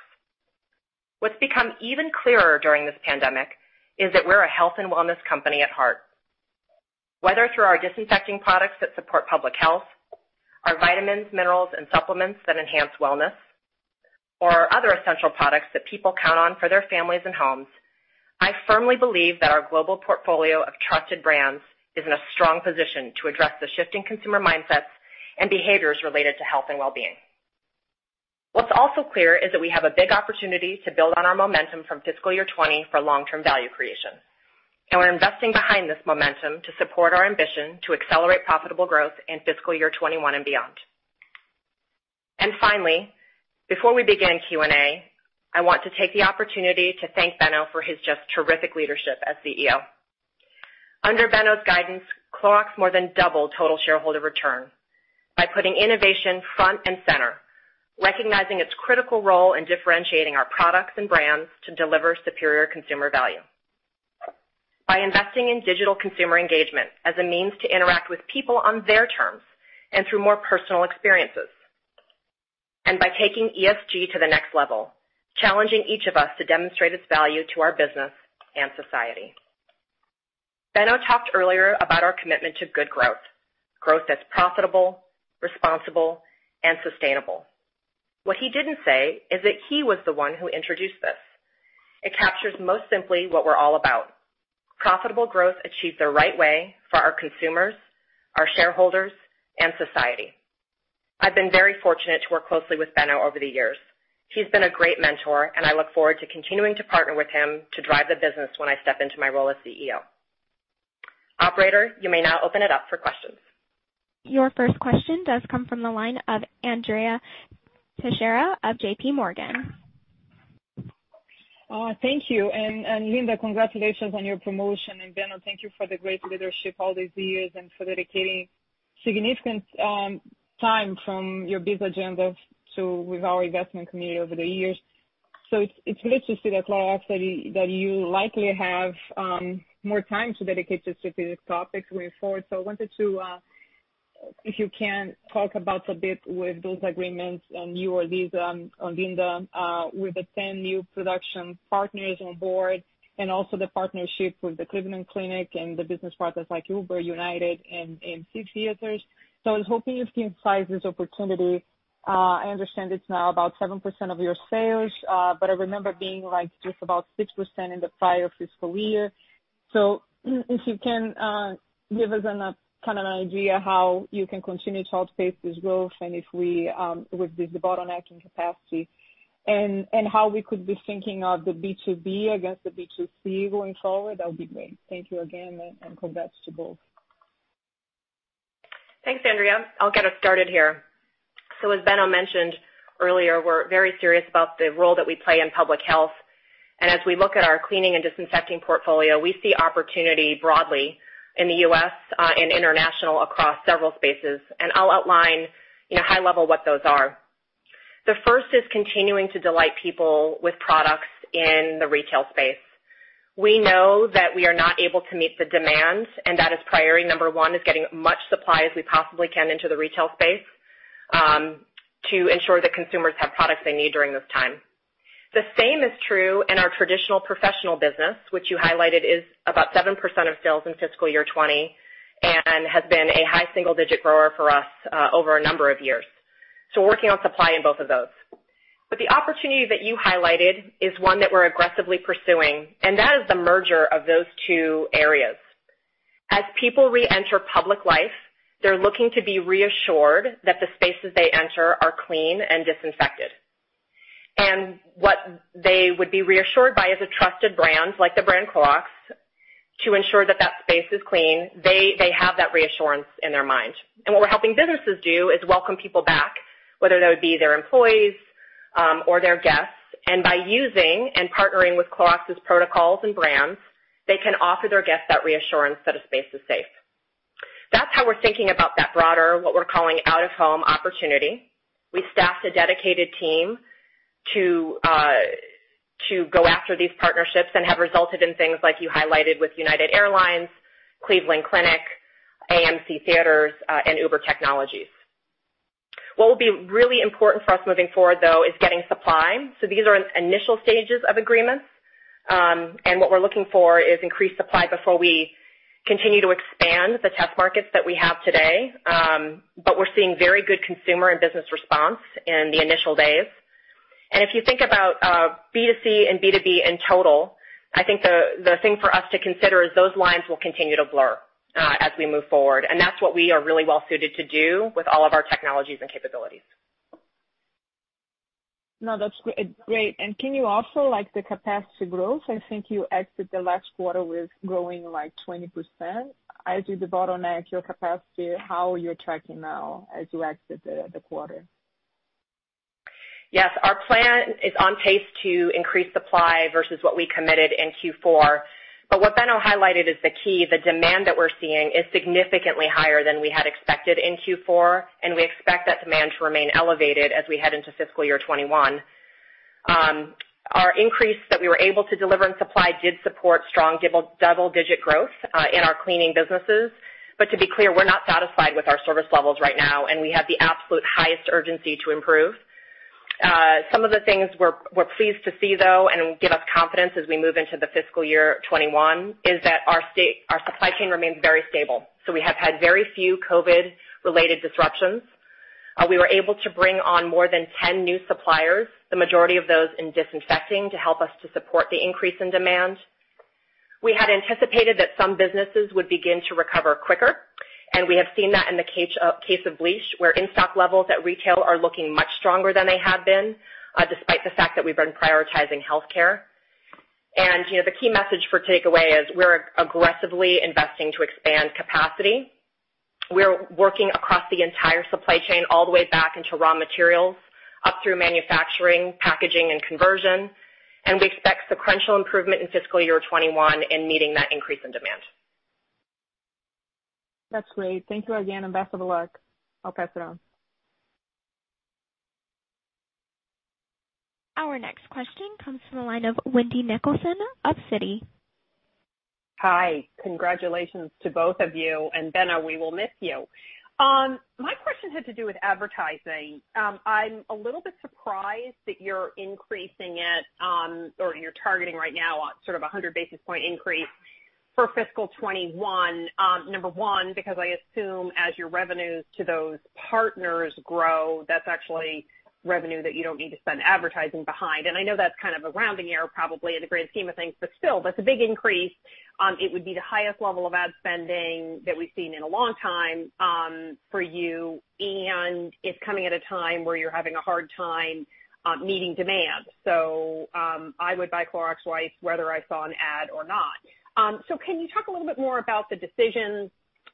What's become even clearer during this pandemic is that we're a health and wellness company at heart, whether through our disinfecting products that support public health, our vitamins, minerals, and supplements that enhance wellness, or other essential products that people count on for their families and homes. I firmly believe that our global portfolio of trusted brands is in a strong position to address the shifting consumer mindsets and behaviors related to health and well-being. What's also clear is that we have a big opportunity to build on our momentum from fiscal year 2020 for long-term value creation, and we're investing behind this momentum to support our ambition to accelerate profitable growth in fiscal year 2021 and beyond. Finally, before we begin Q&A, I want to take the opportunity to thank Benno for his just terrific leadership as CEO. Under Benno's guidance, Clorox more than doubled total shareholder return by putting innovation front and center, recognizing its critical role in differentiating our products and brands to deliver superior consumer value, by investing in digital consumer engagement as a means to interact with people on their terms and through more personal experiences, and by taking ESG to the next level, challenging each of us to demonstrate its value to our business and society. Benno talked earlier about our commitment to good growth, growth that's profitable, responsible, and sustainable. What he didn't say is that he was the one who introduced this. It captures most simply what we're all about: profitable growth achieved the right way for our consumers, our shareholders, and society. I've been very fortunate to work closely with Benno over the years. He's been a great mentor, and I look forward to continuing to partner with him to drive the business when I step into my role as CEO. Operator, you may now open it up for questions. Your first question does come from the line of Andrea Teixeira of JPMorgan. Thank you. Linda, congratulations on your promotion. Beno, thank you for the great leadership all these years and for dedicating significant time from your business agenda to our investment community over the years. It is great to see that at Clorox you likely have more time to dedicate to strategic topics going forward. I wanted to, if you can, talk a bit about those agreements and you or Lisah on Linda with the 10 new production partners on board and also the partnership with the Cleveland Clinic and the business partners like Uber, United, and AMC Theaters. I was hoping you could emphasize this opportunity. I understand it is now about 7% of your sales, but I remember it being just about 6% in the prior fiscal year. If you can give us kind of an idea of how you can continue to outpace this growth and if we with this bottleneck in capacity and how we could be thinking of the B2B against the B2C going forward, that would be great. Thank you again and congrats to both. Thanks, Andrea. I'll get us started here. As Benno mentioned earlier, we're very serious about the role that we play in public health. As we look at our cleaning and disinfecting portfolio, we see opportunity broadly in the U.S. and international across several spaces. I'll outline high-level what those are. The first is continuing to delight people with products in the retail space. We know that we are not able to meet the demand, and that is priority number one, getting as much supply as we possibly can into the retail space to ensure that consumers have products they need during this time. The same is true in our traditional professional business, which you highlighted is about 7% of sales in fiscal year 2020 and has been a high single-digit grower for us over a number of years. We're working on supply in both of those. The opportunity that you highlighted is one that we're aggressively pursuing, and that is the merger of those two areas. As people re-enter public life, they're looking to be reassured that the spaces they enter are clean and disinfected. What they would be reassured by is a trusted brand like the brand Clorox to ensure that that space is clean, they have that reassurance in their mind. What we're helping businesses do is welcome people back, whether that would be their employees or their guests. By using and partnering with Clorox's protocols and brands, they can offer their guests that reassurance that a space is safe. That's how we're thinking about that broader, what we're calling out-of-home opportunity. We staffed a dedicated team to go after these partnerships and have resulted in things like you highlighted with United Airlines, Cleveland Clinic, AMC Theaters, and Uber Technologies. What will be really important for us moving forward, though, is getting supply. These are initial stages of agreements. What we are looking for is increased supply before we continue to expand the test markets that we have today. We are seeing very good consumer and business response in the initial days. If you think about B2C and B2B in total, I think the thing for us to consider is those lines will continue to blur as we move forward. That is what we are really well suited to do with all of our technologies and capabilities. No, that's great. Can you offer the capacity growth? I think you exited the last quarter with growing like 20%. As you debate on your capacity, how are you tracking now as you exit the quarter? Yes. Our plan is on pace to increase supply versus what we committed in Q4. What Benno highlighted is the key. The demand that we're seeing is significantly higher than we had expected in Q4, and we expect that demand to remain elevated as we head into fiscal year 2021. Our increase that we were able to deliver in supply did support strong double-digit growth in our cleaning businesses. To be clear, we're not satisfied with our service levels right now, and we have the absolute highest urgency to improve. Some of the things we're pleased to see, though, and give us confidence as we move into the fiscal year 2021 is that our supply chain remains very stable. We have had very few COVID-related disruptions. We were able to bring on more than 10 new suppliers, the majority of those in disinfecting, to help us to support the increase in demand. We had anticipated that some businesses would begin to recover quicker, and we have seen that in the case of Bleach, where in-stock levels at retail are looking much stronger than they have been, despite the fact that we have been prioritizing healthcare. The key message for takeaway is we are aggressively investing to expand capacity. We are working across the entire supply chain all the way back into raw materials, up through manufacturing, packaging, and conversion. We expect sequential improvement in fiscal year 2021 in meeting that increase in demand. That's great. Thank you again and best of luck. I'll pass it on. Our next question comes from the line of Wendy Nicholson of Citi. Hi. Congratulations to both of you. And Beno, we will miss you. My question had to do with advertising. I'm a little bit surprised that you're increasing it or you're targeting right now sort of a 100 basis point increase for fiscal 2021, number one, because I assume as your revenues to those partners grow, that's actually revenue that you don't need to spend advertising behind. I know that's kind of a rounding error probably in the grand scheme of things, but still, that's a big increase. It would be the highest level of ad spending that we've seen in a long time for you, and it's coming at a time where you're having a hard time meeting demand. I would buy Clorox twice whether I saw an ad or not. Can you talk a little bit more about the decision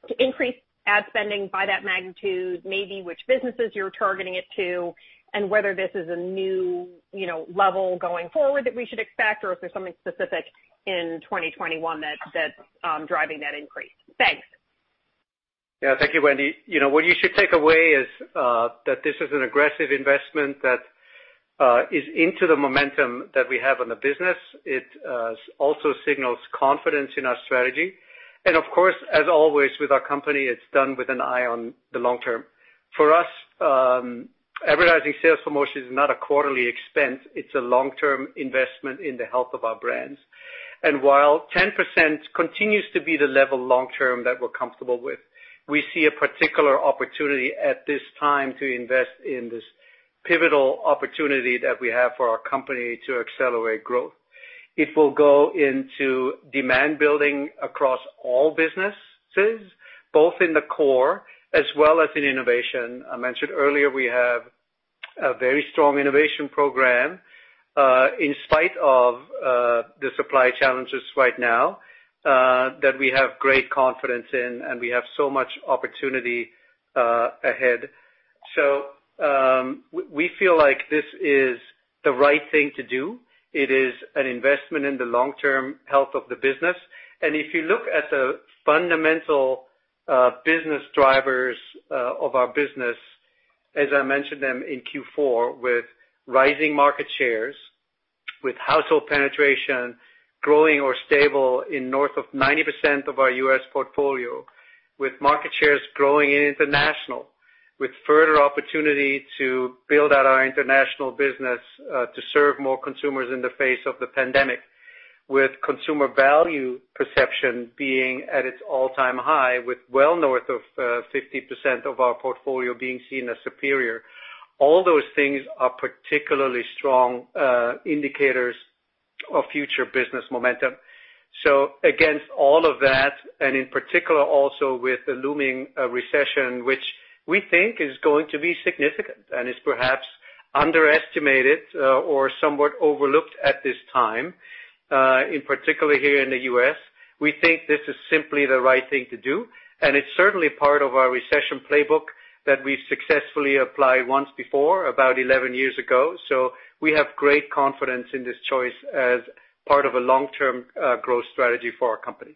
to increase ad spending by that magnitude, maybe which businesses you're targeting it to, and whether this is a new level going forward that we should expect, or if there's something specific in 2021 that's driving that increase? Thanks. Yeah. Thank you, Wendy. What you should take away is that this is an aggressive investment that is into the momentum that we have on the business. It also signals confidence in our strategy. Of course, as always with our company, it's done with an eye on the long term. For us, advertising sales promotion is not a quarterly expense. It's a long-term investment in the health of our brands. While 10% continues to be the level long-term that we're comfortable with, we see a particular opportunity at this time to invest in this pivotal opportunity that we have for our company to accelerate growth. It will go into demand building across all businesses, both in the core as well as in innovation. I mentioned earlier we have a very strong innovation program in spite of the supply challenges right now that we have great confidence in, and we have so much opportunity ahead. We feel like this is the right thing to do. It is an investment in the long-term health of the business. If you look at the fundamental business drivers of our business, as I mentioned them in Q4, with rising market shares, with household penetration growing or stable in north of 90% of our US portfolio, with market shares growing in international, with further opportunity to build out our international business to serve more consumers in the face of the pandemic, with consumer value perception being at its all-time high, with well north of 50% of our portfolio being seen as superior. All those things are particularly strong indicators of future business momentum. Against all of that, and in particular also with the looming recession, which we think is going to be significant and is perhaps underestimated or somewhat overlooked at this time, in particular here in the U.S., we think this is simply the right thing to do. It is certainly part of our recession playbook that we have successfully applied once before, about 11 years ago. We have great confidence in this choice as part of a long-term growth strategy for our company.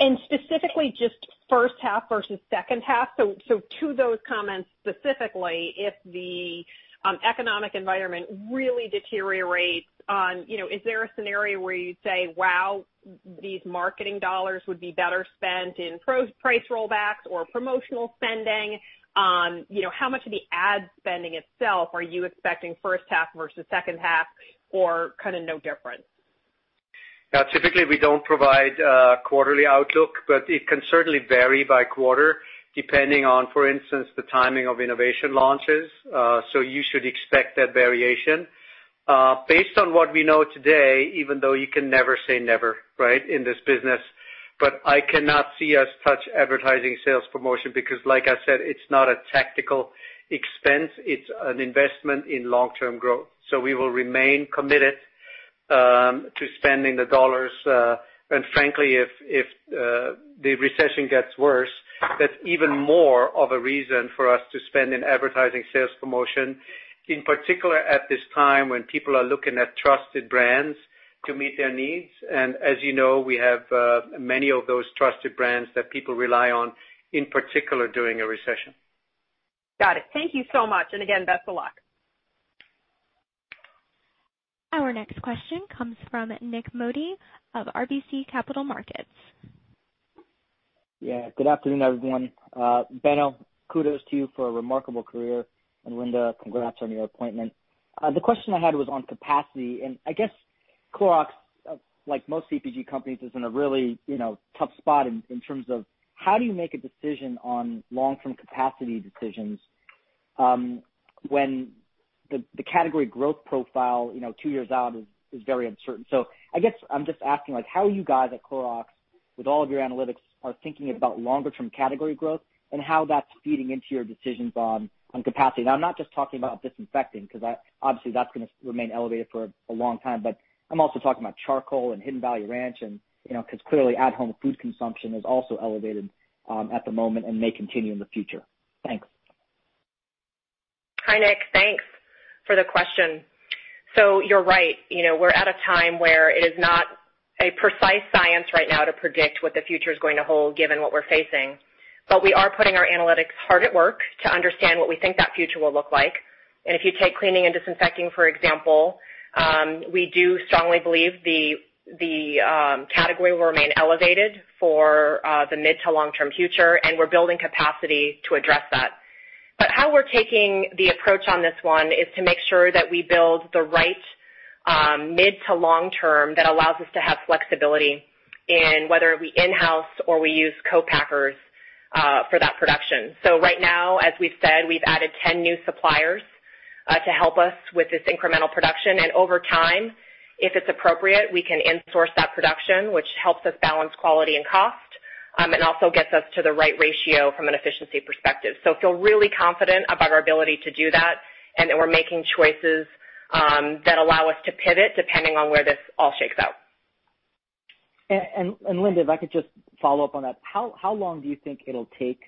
Just first half versus second half, to those comments specifically, if the economic environment really deteriorates, is there a scenario where you'd say, "Wow, these marketing dollars would be better spent in price rollbacks or promotional spending"? How much of the ad spending itself are you expecting first half versus second half or kind of no difference? Now, typically, we do not provide a quarterly outlook, but it can certainly vary by quarter depending on, for instance, the timing of innovation launches. You should expect that variation. Based on what we know today, even though you can never say never, right, in this business, I cannot see us touch advertising sales promotion because, like I said, it is not a tactical expense. It is an investment in long-term growth. We will remain committed to spending the dollars. Frankly, if the recession gets worse, that is even more of a reason for us to spend in advertising sales promotion, in particular at this time when people are looking at trusted brands to meet their needs. As you know, we have many of those trusted brands that people rely on, in particular during a recession. Got it. Thank you so much. Again, best of luck. Our next question comes from Nik Modi of RBC Capital Markets. Yeah. Good afternoon, everyone. Benno, kudos to you for a remarkable career. And Linda, congrats on your appointment. The question I had was on capacity. I guess Clorox, like most CPG companies, is in a really tough spot in terms of how do you make a decision on long-term capacity decisions when the category growth profile two years out is very uncertain. I guess I'm just asking how you guys at Clorox, with all of your analytics, are thinking about longer-term category growth and how that's feeding into your decisions on capacity. I'm not just talking about disinfecting because obviously that's going to remain elevated for a long time, but I'm also talking about charcoal and Hidden Valley Ranch because clearly at-home food consumption is also elevated at the moment and may continue in the future. Thanks. Hi, Nik. Thanks for the question. You're right. We're at a time where it is not a precise science right now to predict what the future is going to hold given what we're facing. We are putting our analytics hard at work to understand what we think that future will look like. If you take cleaning and disinfecting, for example, we do strongly believe the category will remain elevated for the mid to long-term future, and we're building capacity to address that. How we're taking the approach on this one is to make sure that we build the right mid to long-term that allows us to have flexibility in whether we in-house or we use co-packers for that production. Right now, as we've said, we've added 10 new suppliers to help us with this incremental production. Over time, if it's appropriate, we can insource that production, which helps us balance quality and cost and also gets us to the right ratio from an efficiency perspective. I feel really confident about our ability to do that and that we're making choices that allow us to pivot depending on where this all shakes out. Linda, if I could just follow up on that, how long do you think it'll take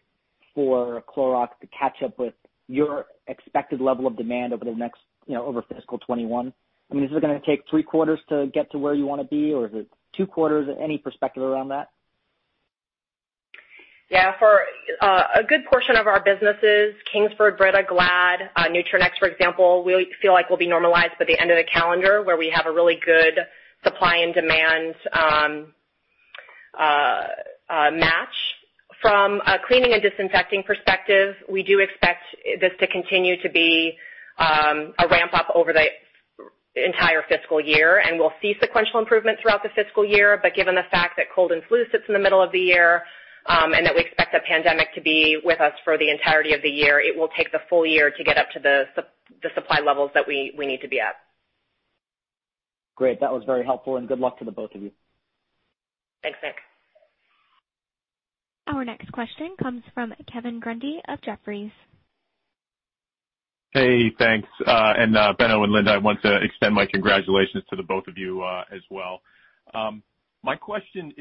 for Clorox to catch up with your expected level of demand over the next over fiscal 2021? I mean, is it going to take three quarters to get to where you want to be, or is it two quarters? Any perspective around that? Yeah. For a good portion of our businesses, Kingsford, Brita, Glad, Nutranex, for example, we feel like will be normalized by the end of the calendar where we have a really good supply and demand match. From a cleaning and disinfecting perspective, we do expect this to continue to be a ramp-up over the entire fiscal year. We will see sequential improvement throughout the fiscal year. Given the fact that cold and flu sits in the middle of the year and that we expect the pandemic to be with us for the entirety of the year, it will take the full year to get up to the supply levels that we need to be at. Great. That was very helpful, and good luck to the both of you. Thanks, Nik. Our next question comes from Kevin Grundy of Jefferies. Hey, thanks. Benno and Linda, I want to extend my congratulations to the both of you as well. My question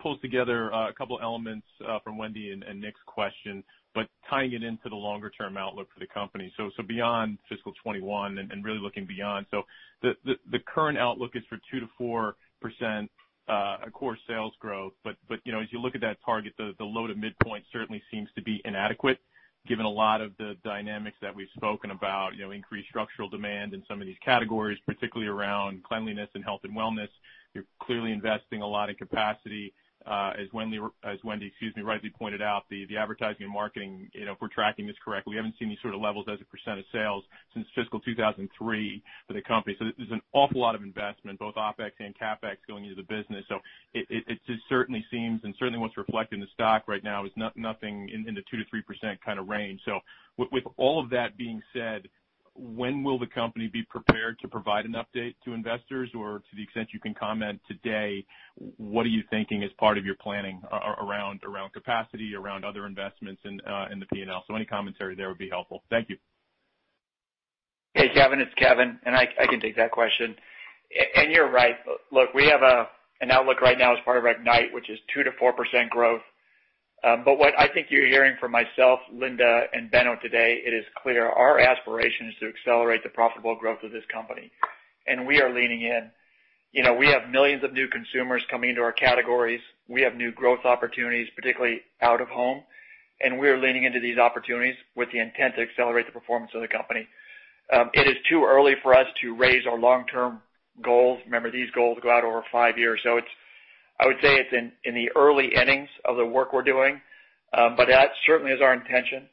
pulls together a couple of elements from Wendy and Nik's question, but tying it into the longer-term outlook for the company. Beyond fiscal 2021 and really looking beyond, the current outlook is for 2-4% core sales growth. As you look at that target, the low to midpoint certainly seems to be inadequate given a lot of the dynamics that we've spoken about, increased structural demand in some of these categories, particularly around cleanliness and health and wellness. You're clearly investing a lot in capacity. As Wendy, excuse me, rightly pointed out, the advertising and marketing, if we're tracking this correctly, we haven't seen these sort of levels as a percent of sales since fiscal 2003 for the company. There is an awful lot of investment, both OpEx and CapEx, going into the business. It certainly seems and certainly what is reflected in the stock right now is nothing in the 2%-3% kind of range. With all of that being said, when will the company be prepared to provide an update to investors? To the extent you can comment today, what are you thinking as part of your planning around capacity, around other investments in the P&L? Any commentary there would be helpful. Thank you. Hey, Kevin. It's Kevin. I can take that question. You're right. Look, we have an outlook right now as part of our night, which is 2%-4% growth. What I think you're hearing from myself, Linda, and Benno today, it is clear our aspiration is to accelerate the profitable growth of this company. We are leaning in. We have millions of new consumers coming into our categories. We have new growth opportunities, particularly out of home. We are leaning into these opportunities with the intent to accelerate the performance of the company. It is too early for us to raise our long-term goals. Remember, these goals go out over five years. I would say it's in the early innings of the work we're doing. That certainly is our intention.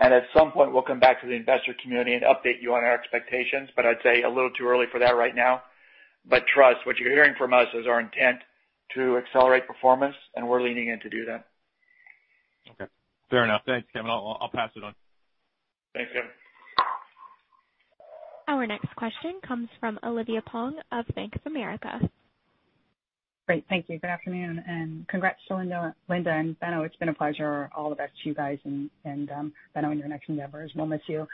At some point, we'll come back to the investor community and update you on our expectations. I'd say a little too early for that right now. Trust, what you're hearing from us is our intent to accelerate performance, and we're leaning in to do that. Okay. Fair enough. Thanks, Kevin. I'll pass it on. Thanks, Kevin. Our next question comes from Olivia Tong of Bank of America. Great. Thank you. Good afternoon. And congrats to Linda and Benno. It's been a pleasure. All the best to you guys and Benno in your next endeavors. We'll miss you.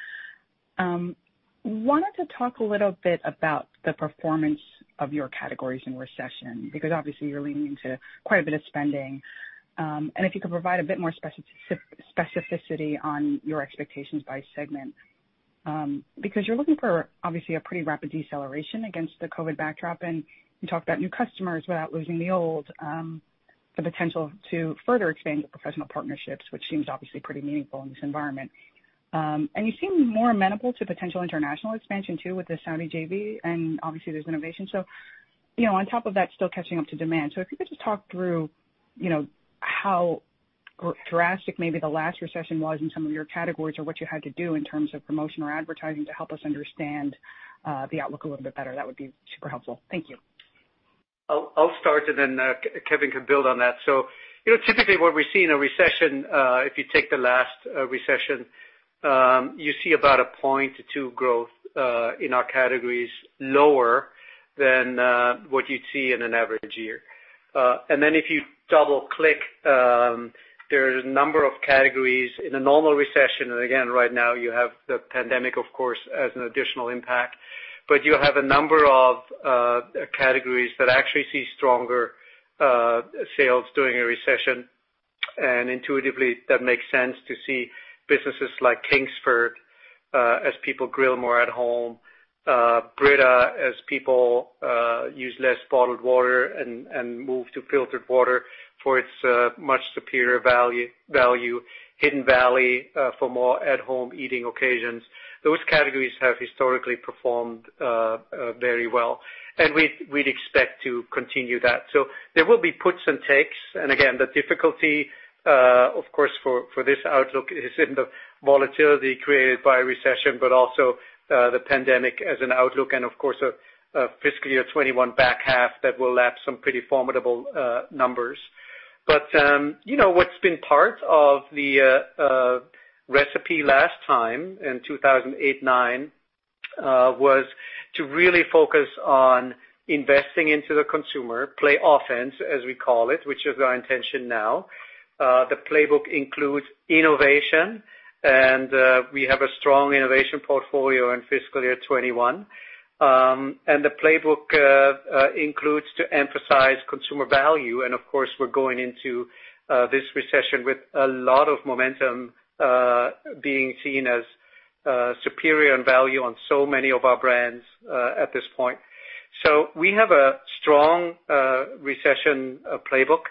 Wanted to talk a little bit about the performance of your categories in recession because obviously you're leaning into quite a bit of spending. If you could provide a bit more specificity on your expectations by segment because you're looking for, obviously, a pretty rapid deceleration against the COVID backdrop. You talked about new customers without losing the old, the potential to further expand your professional partnerships, which seems obviously pretty meaningful in this environment. You seem more amenable to potential international expansion too with the Saudi JV. Obviously, there's innovation. On top of that, still catching up to demand. If you could just talk through how drastic maybe the last recession was in some of your categories or what you had to do in terms of promotion or advertising to help us understand the outlook a little bit better, that would be super helpful. Thank you. I'll start, and then Kevin can build on that. Typically, what we see in a recession, if you take the last recession, you see about a point to two growth in our categories lower than what you'd see in an average year. If you double-click, there are a number of categories in a normal recession. Right now, you have the pandemic, of course, as an additional impact. You have a number of categories that actually see stronger sales during a recession. Intuitively, that makes sense to see businesses like Kingsford as people grill more at home, Brita as people use less bottled water and move to filtered water for its much superior value, Hidden Valley for more at-home eating occasions. Those categories have historically performed very well. We'd expect to continue that. There will be puts and takes. The difficulty, of course, for this outlook is in the volatility created by recession, but also the pandemic as an outlook. Of course, fiscal year 2021 back half will lapse some pretty formidable numbers. What has been part of the recipe last time in 2008-2009 was to really focus on investing into the consumer, play offense, as we call it, which is our intention now. The playbook includes innovation. We have a strong innovation portfolio in fiscal year 2021. The playbook includes to emphasize consumer value. Of course, we are going into this recession with a lot of momentum being seen as superior in value on so many of our brands at this point. We have a strong recession playbook.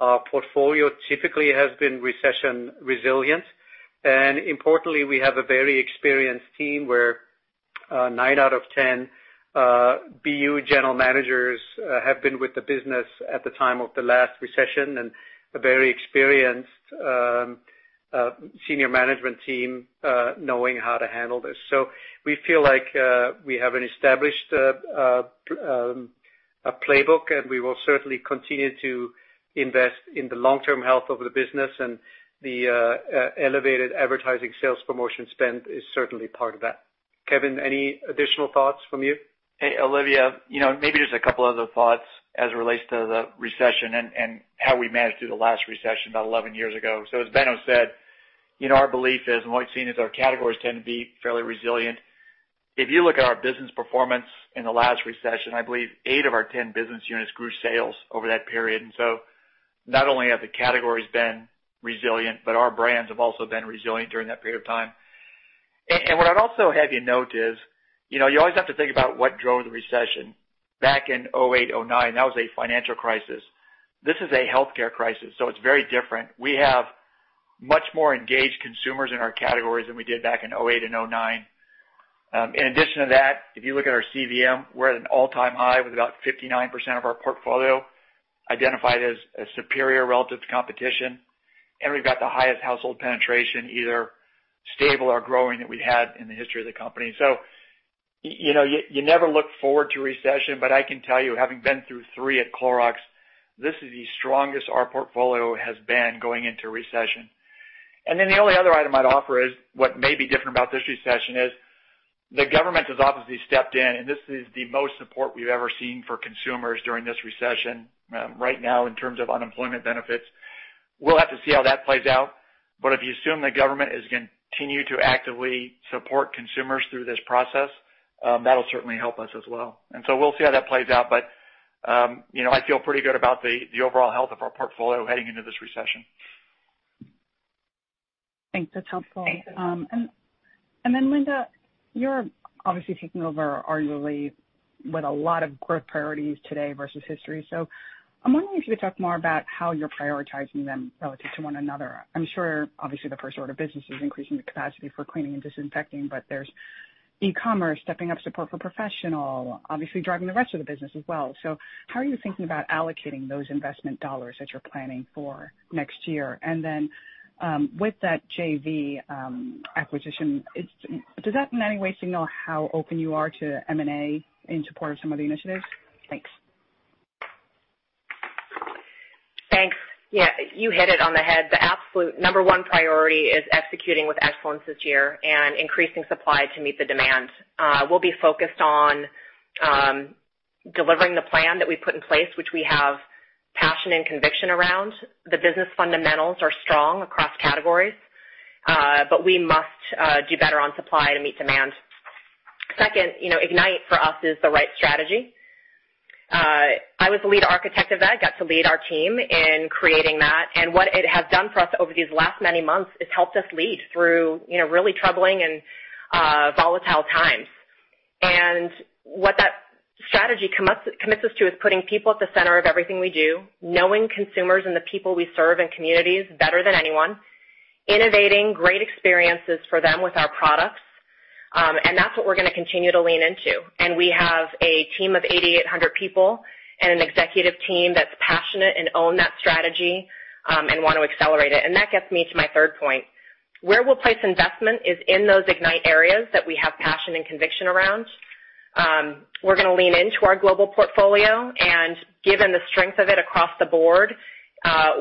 Our portfolio typically has been recession resilient. Importantly, we have a very experienced team where nine out of 10 BU general managers have been with the business at the time of the last recession and a very experienced senior management team knowing how to handle this. We feel like we have an established playbook, and we will certainly continue to invest in the long-term health of the business. The elevated advertising sales promotion spend is certainly part of that. Kevin, any additional thoughts from you? Hey, Olivia, maybe just a couple of other thoughts as it relates to the recession and how we managed through the last recession about 11 years ago. As Benno said, our belief is, and what we've seen is our categories tend to be fairly resilient. If you look at our business performance in the last recession, I believe eight of our ten business units grew sales over that period. Not only have the categories been resilient, but our brands have also been resilient during that period of time. What I'd also have you note is you always have to think about what drove the recession. Back in 2008, 2009, that was a financial crisis. This is a healthcare crisis. It is very different. We have much more engaged consumers in our categories than we did back in 2008 and 2009. In addition to that, if you look at our CVM, we're at an all-time high with about 59% of our portfolio identified as superior relative to competition. We've got the highest household penetration, either stable or growing, that we've had in the history of the company. You never look forward to recession. But I can tell you, having been through three at Clorox, this is the strongest our portfolio has been going into recession. The only other item I'd offer is what may be different about this recession is the government has obviously stepped in. This is the most support we've ever seen for consumers during this recession right now in terms of unemployment benefits. We'll have to see how that plays out. If you assume the government is going to continue to actively support consumers through this process, that'll certainly help us as well. We'll see how that plays out. I feel pretty good about the overall health of our portfolio heading into this recession. Thanks. That's helpful. Linda, you're obviously taking over arguably with a lot of growth priorities today versus history. I am wondering if you could talk more about how you're prioritizing them relative to one another. I'm sure, obviously, the first order of business is increasing the capacity for cleaning and disinfecting, but there's e-commerce, stepping up support for professional, obviously driving the rest of the business as well. How are you thinking about allocating those investment dollars that you're planning for next year? With that JV acquisition, does that in any way signal how open you are to M&A in support of some of the initiatives? Thanks. Thanks. Yeah. You hit it on the head. The absolute number one priority is executing with excellence this year and increasing supply to meet the demand. We'll be focused on delivering the plan that we put in place, which we have passion and conviction around. The business fundamentals are strong across categories, but we must do better on supply to meet demand. Second, Ignite for us is the right strategy. I was the lead architect of that. I got to lead our team in creating that. What it has done for us over these last many months is helped us lead through really troubling and volatile times. What that strategy commits us to is putting people at the center of everything we do, knowing consumers and the people we serve and communities better than anyone, innovating great experiences for them with our products. That is what we are going to continue to lean into. We have a team of 8,800 people and an executive team that is passionate and owns that strategy and wants to accelerate it. That gets me to my third point. Where we will place investment is in those Ignite areas that we have passion and conviction around. We are going to lean into our global portfolio. Given the strength of it across the board,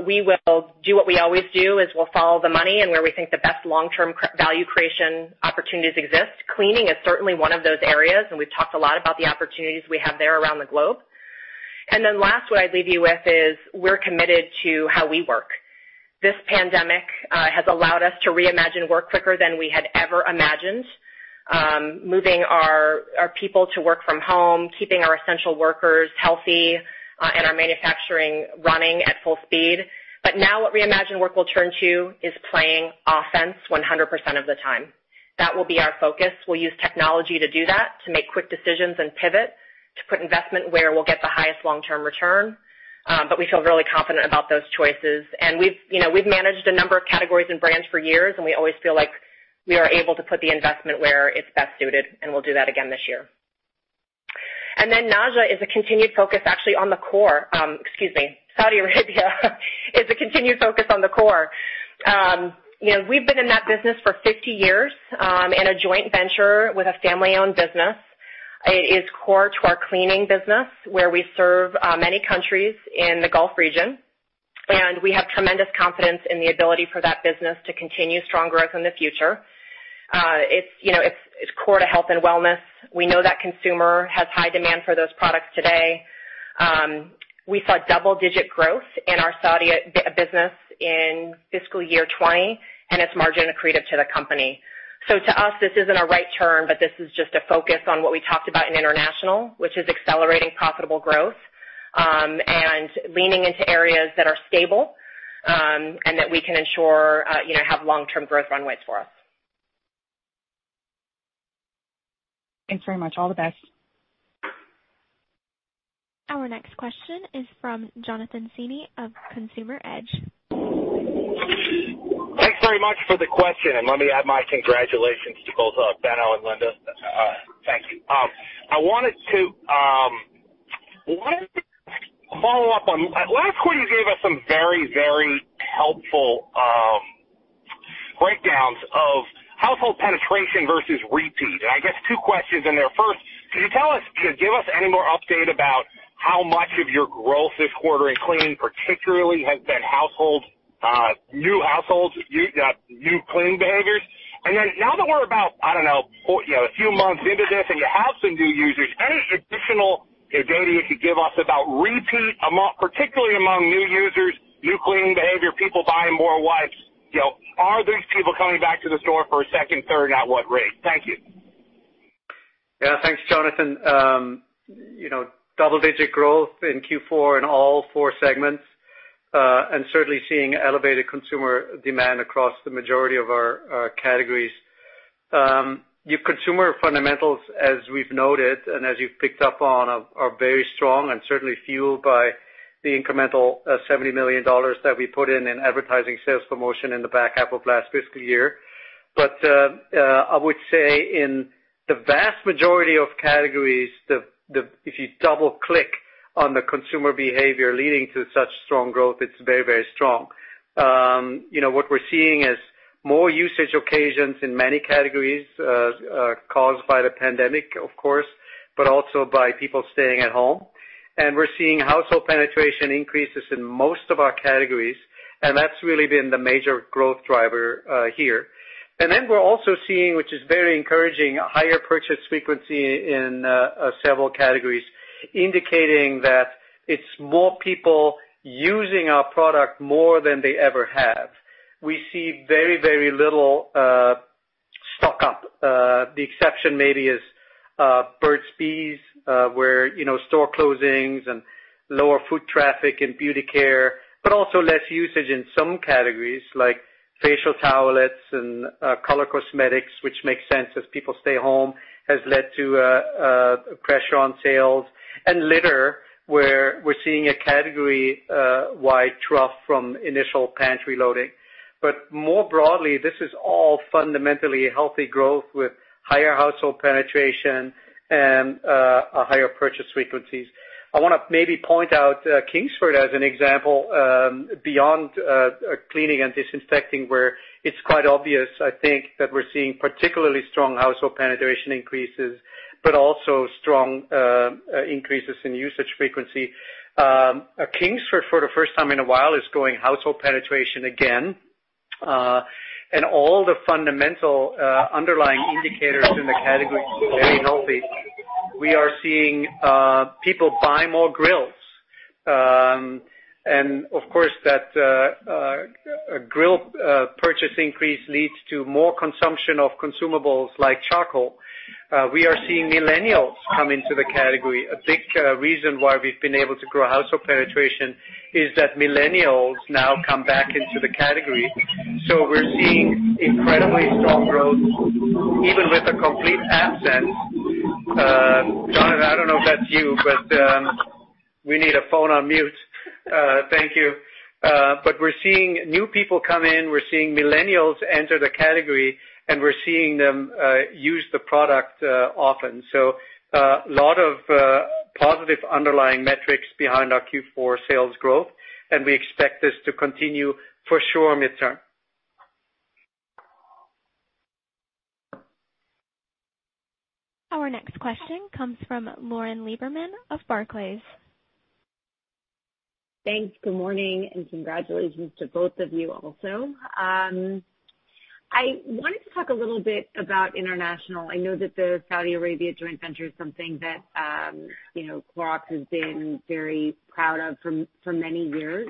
we will do what we always do, which is follow the money and where we think the best long-term value creation opportunities exist. Cleaning is certainly one of those areas. We have talked a lot about the opportunities we have there around the globe. Last, what I would leave you with is we are committed to how we work. This pandemic has allowed us to reimagine work quicker than we had ever imagined, moving our people to work from home, keeping our essential workers healthy, and our manufacturing running at full speed. Now what reimagined work will turn to is playing offense 100% of the time. That will be our focus. We'll use technology to do that, to make quick decisions and pivot, to put investment where we'll get the highest long-term return. We feel really confident about those choices. We've managed a number of categories and brands for years. We always feel like we are able to put the investment where it's best suited. We'll do that again this year. Najah is a continued focus, actually, on the core. Excuse me. Saudi Arabia is a continued focus on the core. We've been in that business for 50 years in a joint venture with a family-owned business. It is core to our cleaning business where we serve many countries in the Gulf Region. We have tremendous confidence in the ability for that business to continue strong growth in the future. It's core to health and wellness. We know that consumer has high demand for those products today. We saw double-digit growth in our Saudi business in fiscal year 2020, and it's margin accretive to the company. To us, this isn't a right turn, but this is just a focus on what we talked about in international, which is accelerating profitable growth and leaning into areas that are stable and that we can ensure have long-term growth runways for us. Thanks very much. All the best. Our next question is from Jonathan Feeney of Consumer Edge. Thanks very much for the question. Let me add my congratulations to both Benno and Linda. Thank you. I wanted to follow up on last quarter, you gave us some very, very helpful breakdowns of household penetration versus repeat. I guess two questions in there. First, could you give us any more update about how much of your growth this quarter in cleaning, particularly, has been new households, new cleaning behaviors? Now that we're about, I don't know, a few months into this and you have some new users, any additional data you could give us about repeat, particularly among new users, new cleaning behavior, people buying more wipes? Are these people coming back to the store for a second, third, and at what rate? Thank you. Yeah. Thanks, Jonathan. Double-digit growth in Q4 in all four segments and certainly seeing elevated consumer demand across the majority of our categories. Your consumer fundamentals, as we've noted and as you've picked up on, are very strong and certainly fueled by the incremental $70 million that we put in in advertising sales promotion in the back half of last fiscal year. I would say in the vast majority of categories, if you double-click on the consumer behavior leading to such strong growth, it's very, very strong. What we're seeing is more usage occasions in many categories caused by the pandemic, of course, but also by people staying at home. We are seeing household penetration increases in most of our categories. That's really been the major growth driver here. We are also seeing, which is very encouraging, higher purchase frequency in several categories, indicating that it is more people using our product more than they ever have. We see very, very little stock-up. The exception maybe is Burt's Bees, where store closings and lower foot traffic in beauty care, but also less usage in some categories like facial towelettes and color cosmetics, which makes sense as people stay home, has led to pressure on sales. In litter, we are seeing a category-wide trough from initial pantry loading. More broadly, this is all fundamentally healthy growth with higher household penetration and higher purchase frequencies. I want to maybe point out Kingsford as an example beyond cleaning and disinfecting, where it is quite obvious, I think, that we are seeing particularly strong household penetration increases, but also strong increases in usage frequency. Kingsford, for the first time in a while, is growing household penetration again. All the fundamental underlying indicators in the category are very healthy. We are seeing people buy more grills. That grill purchase increase leads to more consumption of consumables like charcoal. We are seeing millennials come into the category. A big reason why we've been able to grow household penetration is that millennials now come back into the category. We're seeing incredibly strong growth even with a complete absence. Jonathan, I don't know if that's you, but we need a phone on mute. Thank you. We're seeing new people come in. We're seeing millennials enter the category, and we're seeing them use the product often. A lot of positive underlying metrics behind our Q4 sales growth. We expect this to continue for sure midterm. Our next question comes from Lauren Lieberman of Barclays. Thanks. Good morning and congratulations to both of you also. I wanted to talk a little bit about international. I know that the Saudi Arabia joint venture is something that Clorox has been very proud of for many years.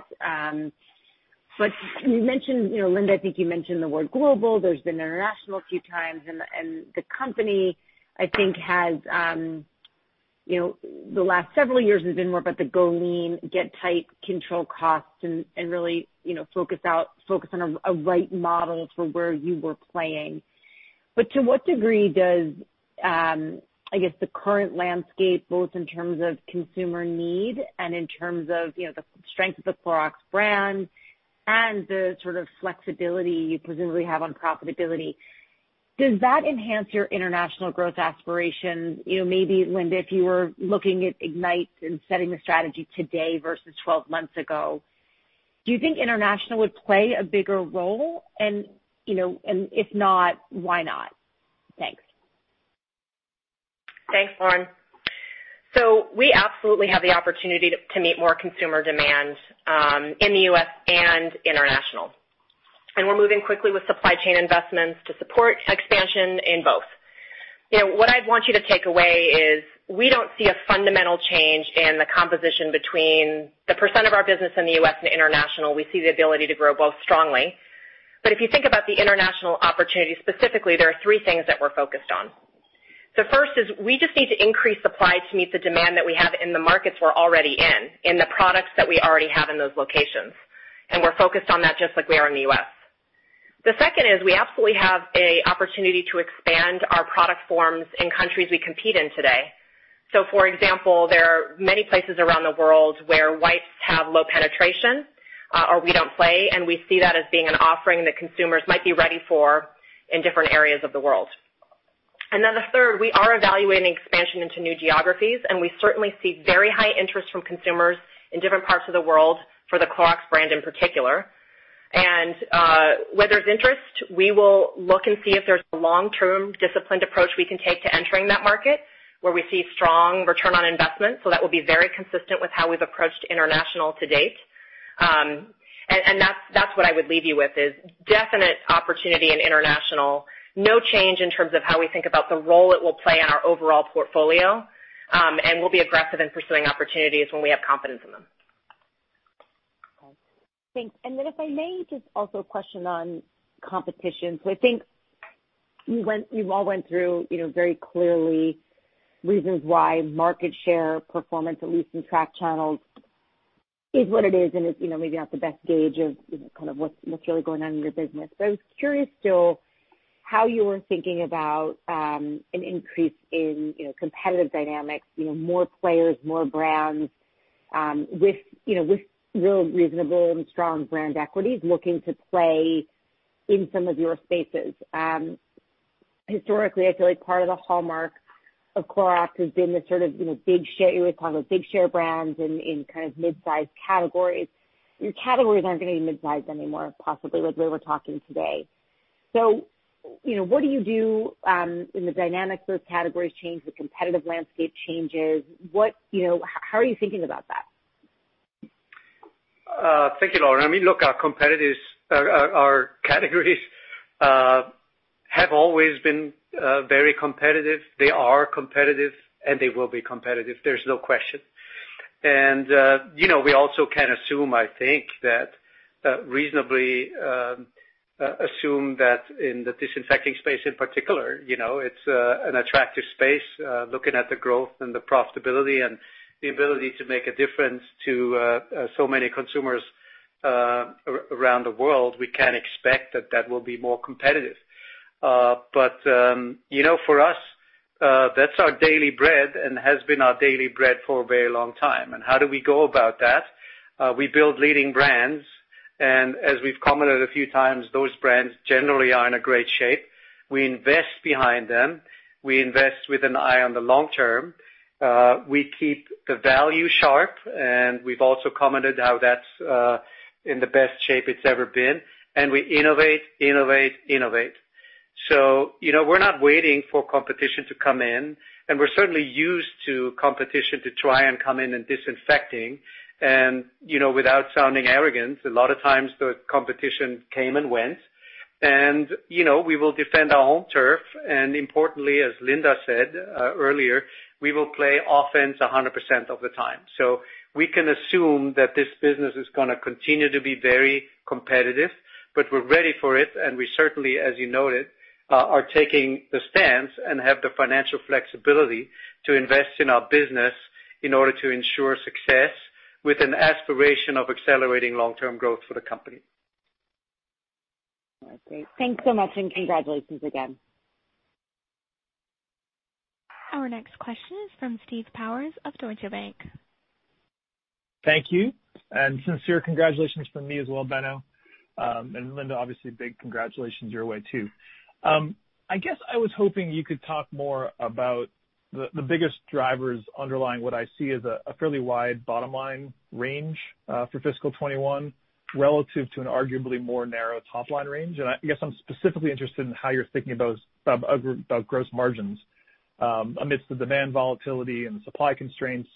You mentioned, Linda, I think you mentioned the word global. There's been international a few times. The company, I think, the last several years has been more about the go lean, get tight, control costs, and really focus on a right model for where you were playing. To what degree does, I guess, the current landscape, both in terms of consumer need and in terms of the strength of the Clorox brand and the sort of flexibility you presumably have on profitability, does that enhance your international growth aspirations? Maybe, Linda, if you were looking at Ignite and setting the strategy today versus 12 months ago, do you think international would play a bigger role? If not, why not? Thanks. Thanks, Lauren. We absolutely have the opportunity to meet more consumer demand in the US and international. We are moving quickly with supply chain investments to support expansion in both. What I want you to take away is we do not see a fundamental change in the composition between the percent of our business in the US and international. We see the ability to grow both strongly. If you think about the international opportunity specifically, there are three things that we are focused on. The first is we just need to increase supply to meet the demand that we have in the markets we are already in, in the products that we already have in those locations. We are focused on that just like we are in the US. The second is we absolutely have an opportunity to expand our product forms in countries we compete in today. For example, there are many places around the world where wipes have low penetration or we do not play. We see that as being an offering that consumers might be ready for in different areas of the world. The third, we are evaluating expansion into new geographies. We certainly see very high interest from consumers in different parts of the world for the Clorox brand in particular. When there is interest, we will look and see if there is a long-term disciplined approach we can take to entering that market where we see strong return on investment. That will be very consistent with how we have approached international to date. That is what I would leave you with: definite opportunity in international, no change in terms of how we think about the role it will play in our overall portfolio. We will be aggressive in pursuing opportunities when we have confidence in them. Thanks. If I may, just also a question on competition. I think you all went through very clearly reasons why market share performance, at least in track channels, is what it is. It is maybe not the best gauge of kind of what's really going on in your business. I was curious still how you were thinking about an increase in competitive dynamics, more players, more brands with real reasonable and strong brand equities looking to play in some of your spaces. Historically, I feel like part of the hallmark of Clorox has been this sort of big share. You always talk about big share brands in kind of mid-size categories. Your categories are not going to be mid-size anymore, possibly, with where we are talking today. What do you do when the dynamics of those categories change, the competitive landscape changes? How are you thinking about that? Thank you, Lauren. I mean, look, our categories have always been very competitive. They are competitive, and they will be competitive. There's no question. We also can assume, I think, that reasonably assume that in the disinfecting space in particular, it's an attractive space. Looking at the growth and the profitability and the ability to make a difference to so many consumers around the world, we can expect that that will be more competitive. For us, that's our daily bread and has been our daily bread for a very long time. How do we go about that? We build leading brands. As we've commented a few times, those brands generally are in great shape. We invest behind them. We invest with an eye on the long term. We keep the value sharp. We've also commented how that's in the best shape it's ever been. We innovate, innovate, innovate. We are not waiting for competition to come in. We are certainly used to competition trying to come in and disinfecting. Without sounding arrogant, a lot of times the competition came and went. We will defend our home turf. Importantly, as Linda said earlier, we will play offense 100% of the time. We can assume that this business is going to continue to be very competitive. We are ready for it. As you noted, we are taking the stance and have the financial flexibility to invest in our business in order to ensure success with an aspiration of accelerating long-term growth for the company. All right. Great. Thanks so much. Congratulations again. Our next question is from Steve Powers of Deutsche Bank. Thank you. And sincere congratulations from me as well, Benno. And Linda, obviously, big congratulations your way too. I guess I was hoping you could talk more about the biggest drivers underlying what I see as a fairly wide bottom line range for fiscal 2021 relative to an arguably more narrow top line range. I guess I'm specifically interested in how you're thinking about gross margins amidst the demand volatility and supply constraints,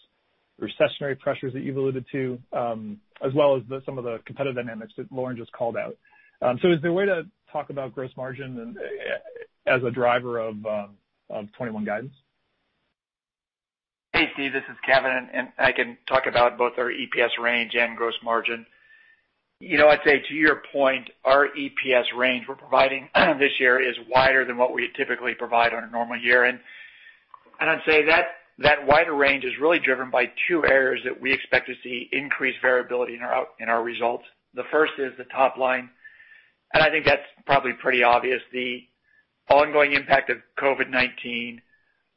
recessionary pressures that you've alluded to, as well as some of the competitive dynamics that Lauren just called out. Is there a way to talk about gross margin as a driver of 2021 guidance? Hey, Steve. This is Kevin. I can talk about both our EPS range and gross margin. I'd say to your point, our EPS range we're providing this year is wider than what we typically provide on a normal year. I'd say that wider range is really driven by two areas that we expect to see increased variability in our results. The first is the top line. I think that's probably pretty obvious. The ongoing impact of COVID-19,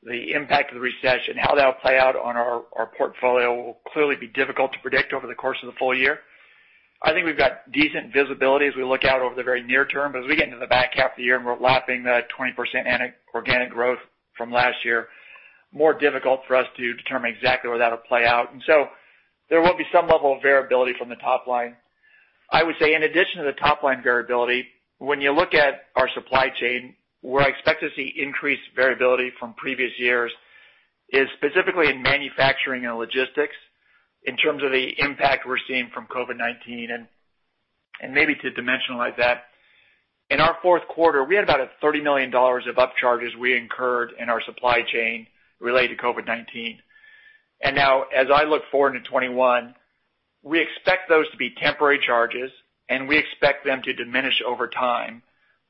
the impact of the recession, how that will play out on our portfolio will clearly be difficult to predict over the course of the full year. I think we've got decent visibility as we look out over the very near term. As we get into the back half of the year and we're lapping that 20% organic growth from last year, it is more difficult for us to determine exactly where that will play out. There will be some level of variability from the top line. I would say in addition to the top line variability, when you look at our supply chain, where I expect to see increased variability from previous years is specifically in manufacturing and logistics in terms of the impact we're seeing from COVID-19. Maybe to dimensionalize that, in our fourth quarter, we had about $30 million of upcharges we incurred in our supply chain related to COVID-19. Now, as I look forward into 2021, we expect those to be temporary charges. We expect them to diminish over time.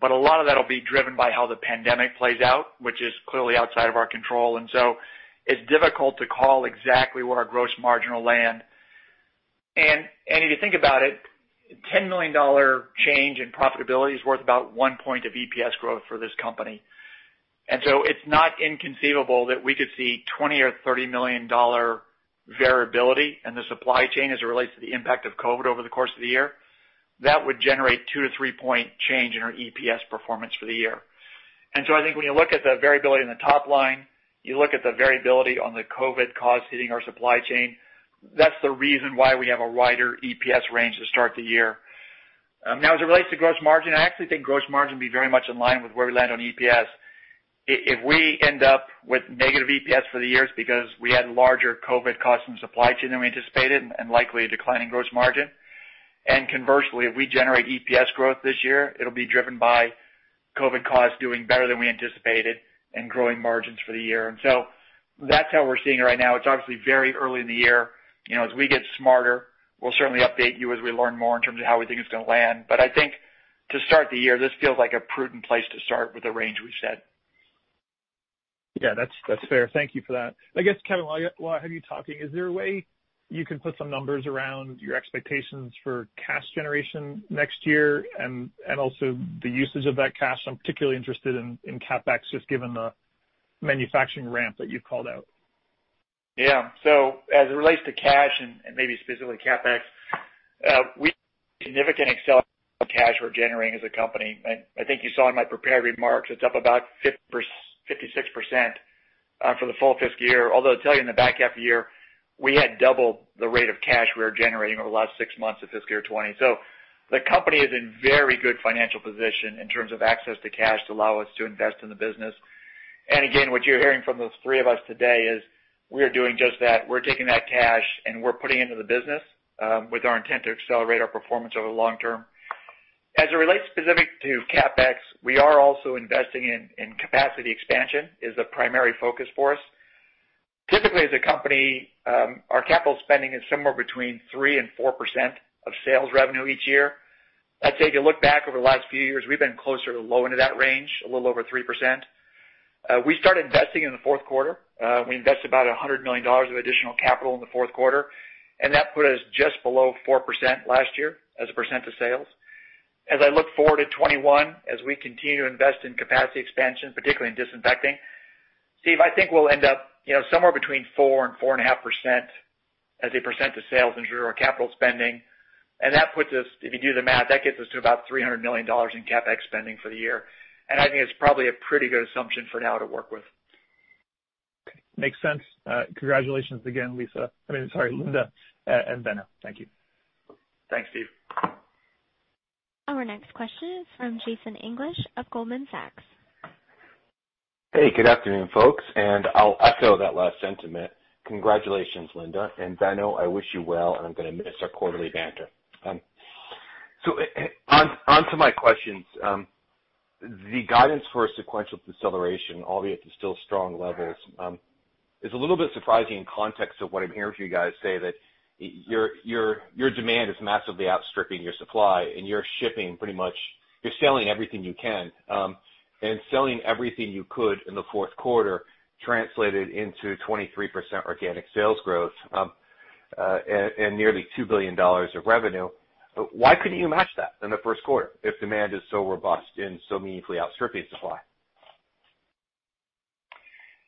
A lot of that will be driven by how the pandemic plays out, which is clearly outside of our control. It is difficult to call exactly where our gross margin will land. If you think about it, a $10 million change in profitability is worth about one point of EPS growth for this company. It is not inconceivable that we could see $20 million or $30 million variability in the supply chain as it relates to the impact of COVID over the course of the year. That would generate a two- to three-point change in our EPS performance for the year. I think when you look at the variability in the top line, you look at the variability on the COVID cost hitting our supply chain, that is the reason why we have a wider EPS range to start the year. Now, as it relates to gross margin, I actually think gross margin would be very much in line with where we land on EPS. If we end up with negative EPS for the year because we had larger COVID costs in the supply chain than we anticipated and likely a declining gross margin. Conversely, if we generate EPS growth this year, it'll be driven by COVID costs doing better than we anticipated and growing margins for the year. That is how we're seeing it right now. It's obviously very early in the year. As we get smarter, we'll certainly update you as we learn more in terms of how we think it's going to land. I think to start the year, this feels like a prudent place to start with the range we set. Yeah, that's fair. Thank you for that. I guess, Kevin, while I have you talking, is there a way you can put some numbers around your expectations for cash generation next year and also the usage of that cash? I'm particularly interested in CapEx just given the manufacturing ramp that you've called out. Yeah. As it relates to cash and maybe specifically CapEx, we have significant acceleration of cash we're generating as a company. I think you saw in my prepared remarks it's up about 56% for the full fiscal year. I'll tell you in the back half of the year, we had double the rate of cash we were generating over the last six months of fiscal year 2020. The company is in very good financial position in terms of access to cash to allow us to invest in the business. Again, what you're hearing from the three of us today is we are doing just that. We're taking that cash and we're putting it into the business with our intent to accelerate our performance over the long term. As it relates specific to CapEx, we are also investing in capacity expansion as the primary focus for us. Typically, as a company, our capital spending is somewhere between 3% and 4% of sales revenue each year. I'd say if you look back over the last few years, we've been closer to low end of that range, a little over 3%. We started investing in the fourth quarter. We invested about $100 million of additional capital in the fourth quarter. That put us just below 4% last year as a percent of sales. As I look forward to 2021, as we continue to invest in capacity expansion, particularly in disinfecting, Steve, I think we'll end up somewhere between 4% and 4.5% as a percent of sales and general capital spending. That puts us, if you do the math, that gets us to about $300 million in CapEx spending for the year. I think it's probably a pretty good assumption for now to work with. Okay. Makes sense. Congratulations again, Lisah. I mean, sorry, Linda and Benno. Thank you. Thanks, Steve. Our next question is from Jason English of Goldman Sachs. Hey, good afternoon, folks. I'll echo that last sentiment. Congratulations, Linda. And Benno, I wish you well. I'm going to miss our quarterly banter. Onto my questions. The guidance for sequential deceleration, albeit to still strong levels, is a little bit surprising in context of what I'm hearing from you guys say that your demand is massively outstripping your supply. You're shipping pretty much, you're selling everything you can. Selling everything you could in the fourth quarter translated into 23% organic sales growth and nearly $2 billion of revenue. Why couldn't you match that in the first quarter if demand is so robust and so meaningfully outstripping supply?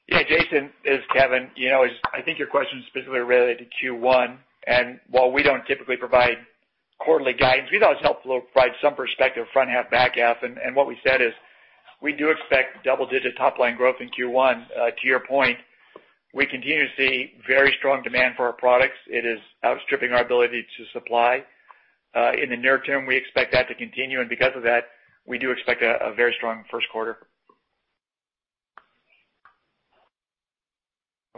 Yeah, Jason, as Kevin, I think your question is specifically related to Q1. While we do not typically provide quarterly guidance, we thought it was helpful to provide some perspective front half, back half. What we said is we do expect double-digit top line growth in Q1. To your point, we continue to see very strong demand for our products. It is outstripping our ability to supply. In the near term, we expect that to continue. Because of that, we do expect a very strong first quarter.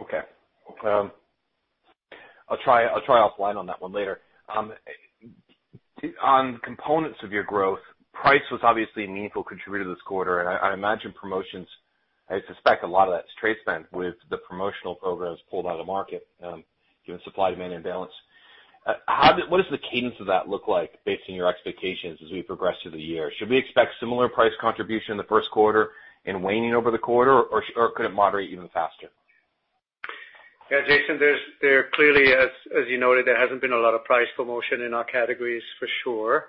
Okay. I'll try offline on that one later. On components of your growth, price was obviously a meaningful contributor this quarter. I imagine promotions, I suspect a lot of that's trade spend with the promotional programs pulled out of the market given supply-demand imbalance. What does the cadence of that look like based on your expectations as we progress through the year? Should we expect similar price contribution in the first quarter and waning over the quarter, or could it moderate even faster? Yeah, Jason, there clearly, as you noted, there has not been a lot of price promotion in our categories for sure.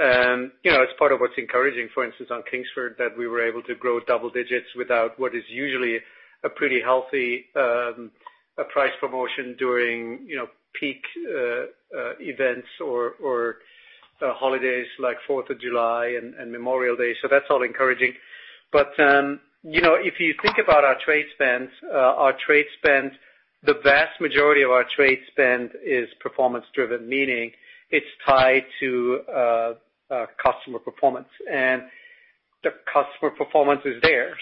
It is part of what is encouraging, for instance, on Kingsford that we were able to grow double digits without what is usually a pretty healthy price promotion during peak events or holidays like 4th of July and Memorial Day. That is all encouraging. If you think about our trade spend, the vast majority of our trade spend is performance-driven, meaning it is tied to customer performance. The customer performance is there.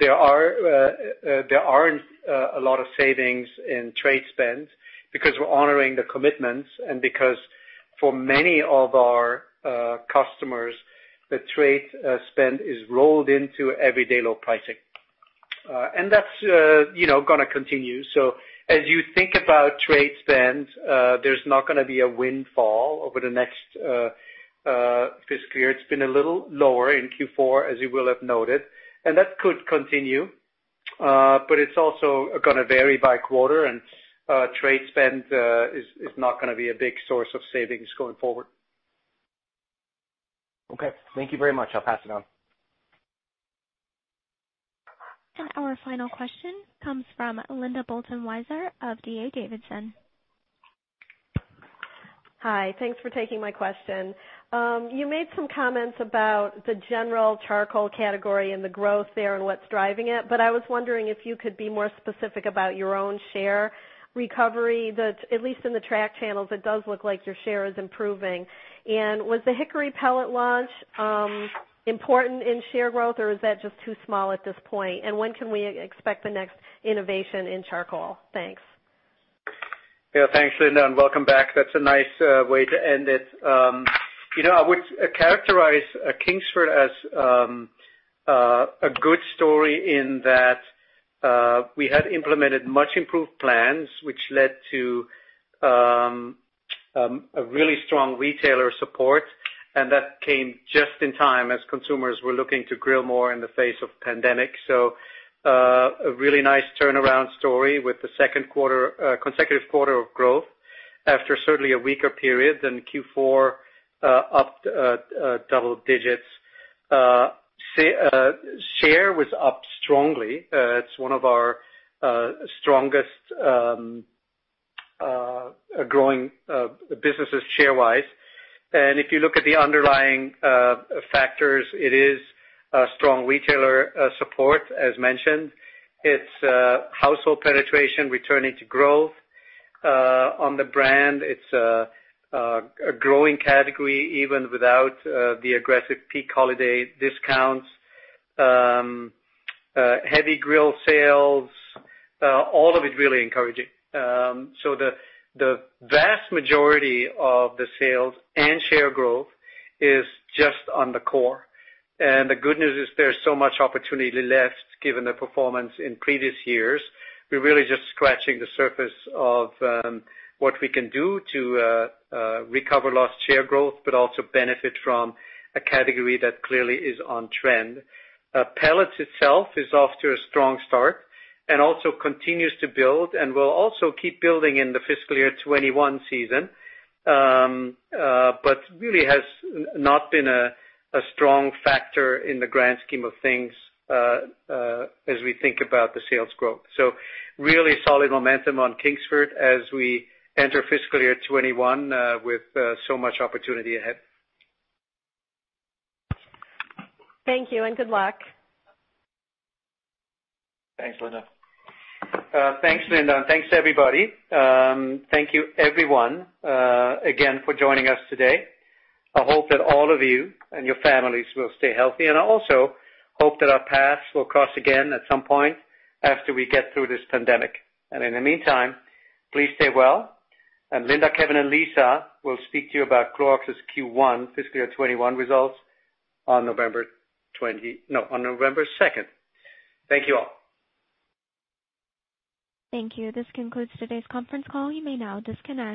There are not a lot of savings in trade spend because we are honoring the commitments and because for many of our customers, the trade spend is rolled into everyday low pricing. That is going to continue. As you think about trade spend, there is not going to be a windfall over the next fiscal year. It's been a little lower in Q4, as you will have noted. That could continue. It's also going to vary by quarter. Trade spend is not going to be a big source of savings going forward. Okay. Thank you very much. I'll pass it on. Our final question comes from Linda Bolton Weiser of D.A. Davidson. Hi. Thanks for taking my question. You made some comments about the general charcoal category and the growth there and what is driving it. I was wondering if you could be more specific about your own share recovery. At least in the track channels, it does look like your share is improving. Was the Hickory pellet launch important in share growth, or is that just too small at this point? When can we expect the next innovation in charcoal? Thanks. Yeah, thanks, Linda. Welcome back. That's a nice way to end it. I would characterize Kingsford as a good story in that we had implemented much-improved plans, which led to really strong retailer support. That came just in time as consumers were looking to grill more in the face of pandemic. A really nice turnaround story with the second consecutive quarter of growth after certainly a weaker period than Q4, up double digits. Share was up strongly. It's one of our strongest growing businesses share-wise. If you look at the underlying factors, it is strong retailer support, as mentioned. It's household penetration returning to growth. On the brand, it's a growing category even without the aggressive peak holiday discounts. Heavy grill sales, all of it really encouraging. The vast majority of the sales and share growth is just on the core. The good news is there's so much opportunity left given the performance in previous years. We're really just scratching the surface of what we can do to recover lost share growth, but also benefit from a category that clearly is on trend. Pellets itself is off to a strong start and also continues to build and will also keep building in the fiscal year 2021 season, but really has not been a strong factor in the grand scheme of things as we think about the sales growth. Really solid momentum on Kingsford as we enter fiscal year 2021 with so much opportunity ahead. Thank you. And good luck. Thanks, Linda. Thanks, Linda. And thanks to everybody. Thank you, everyone, again for joining us today. I hope that all of you and your families will stay healthy. I also hope that our paths will cross again at some point after we get through this pandemic. In the meantime, please stay well. Linda, Kevin, and Lisah will speak to you about Clorox's Q1 fiscal year 2021 results on November 2nd. Thank you all. Thank you. This concludes today's conference call. You may now disconnect.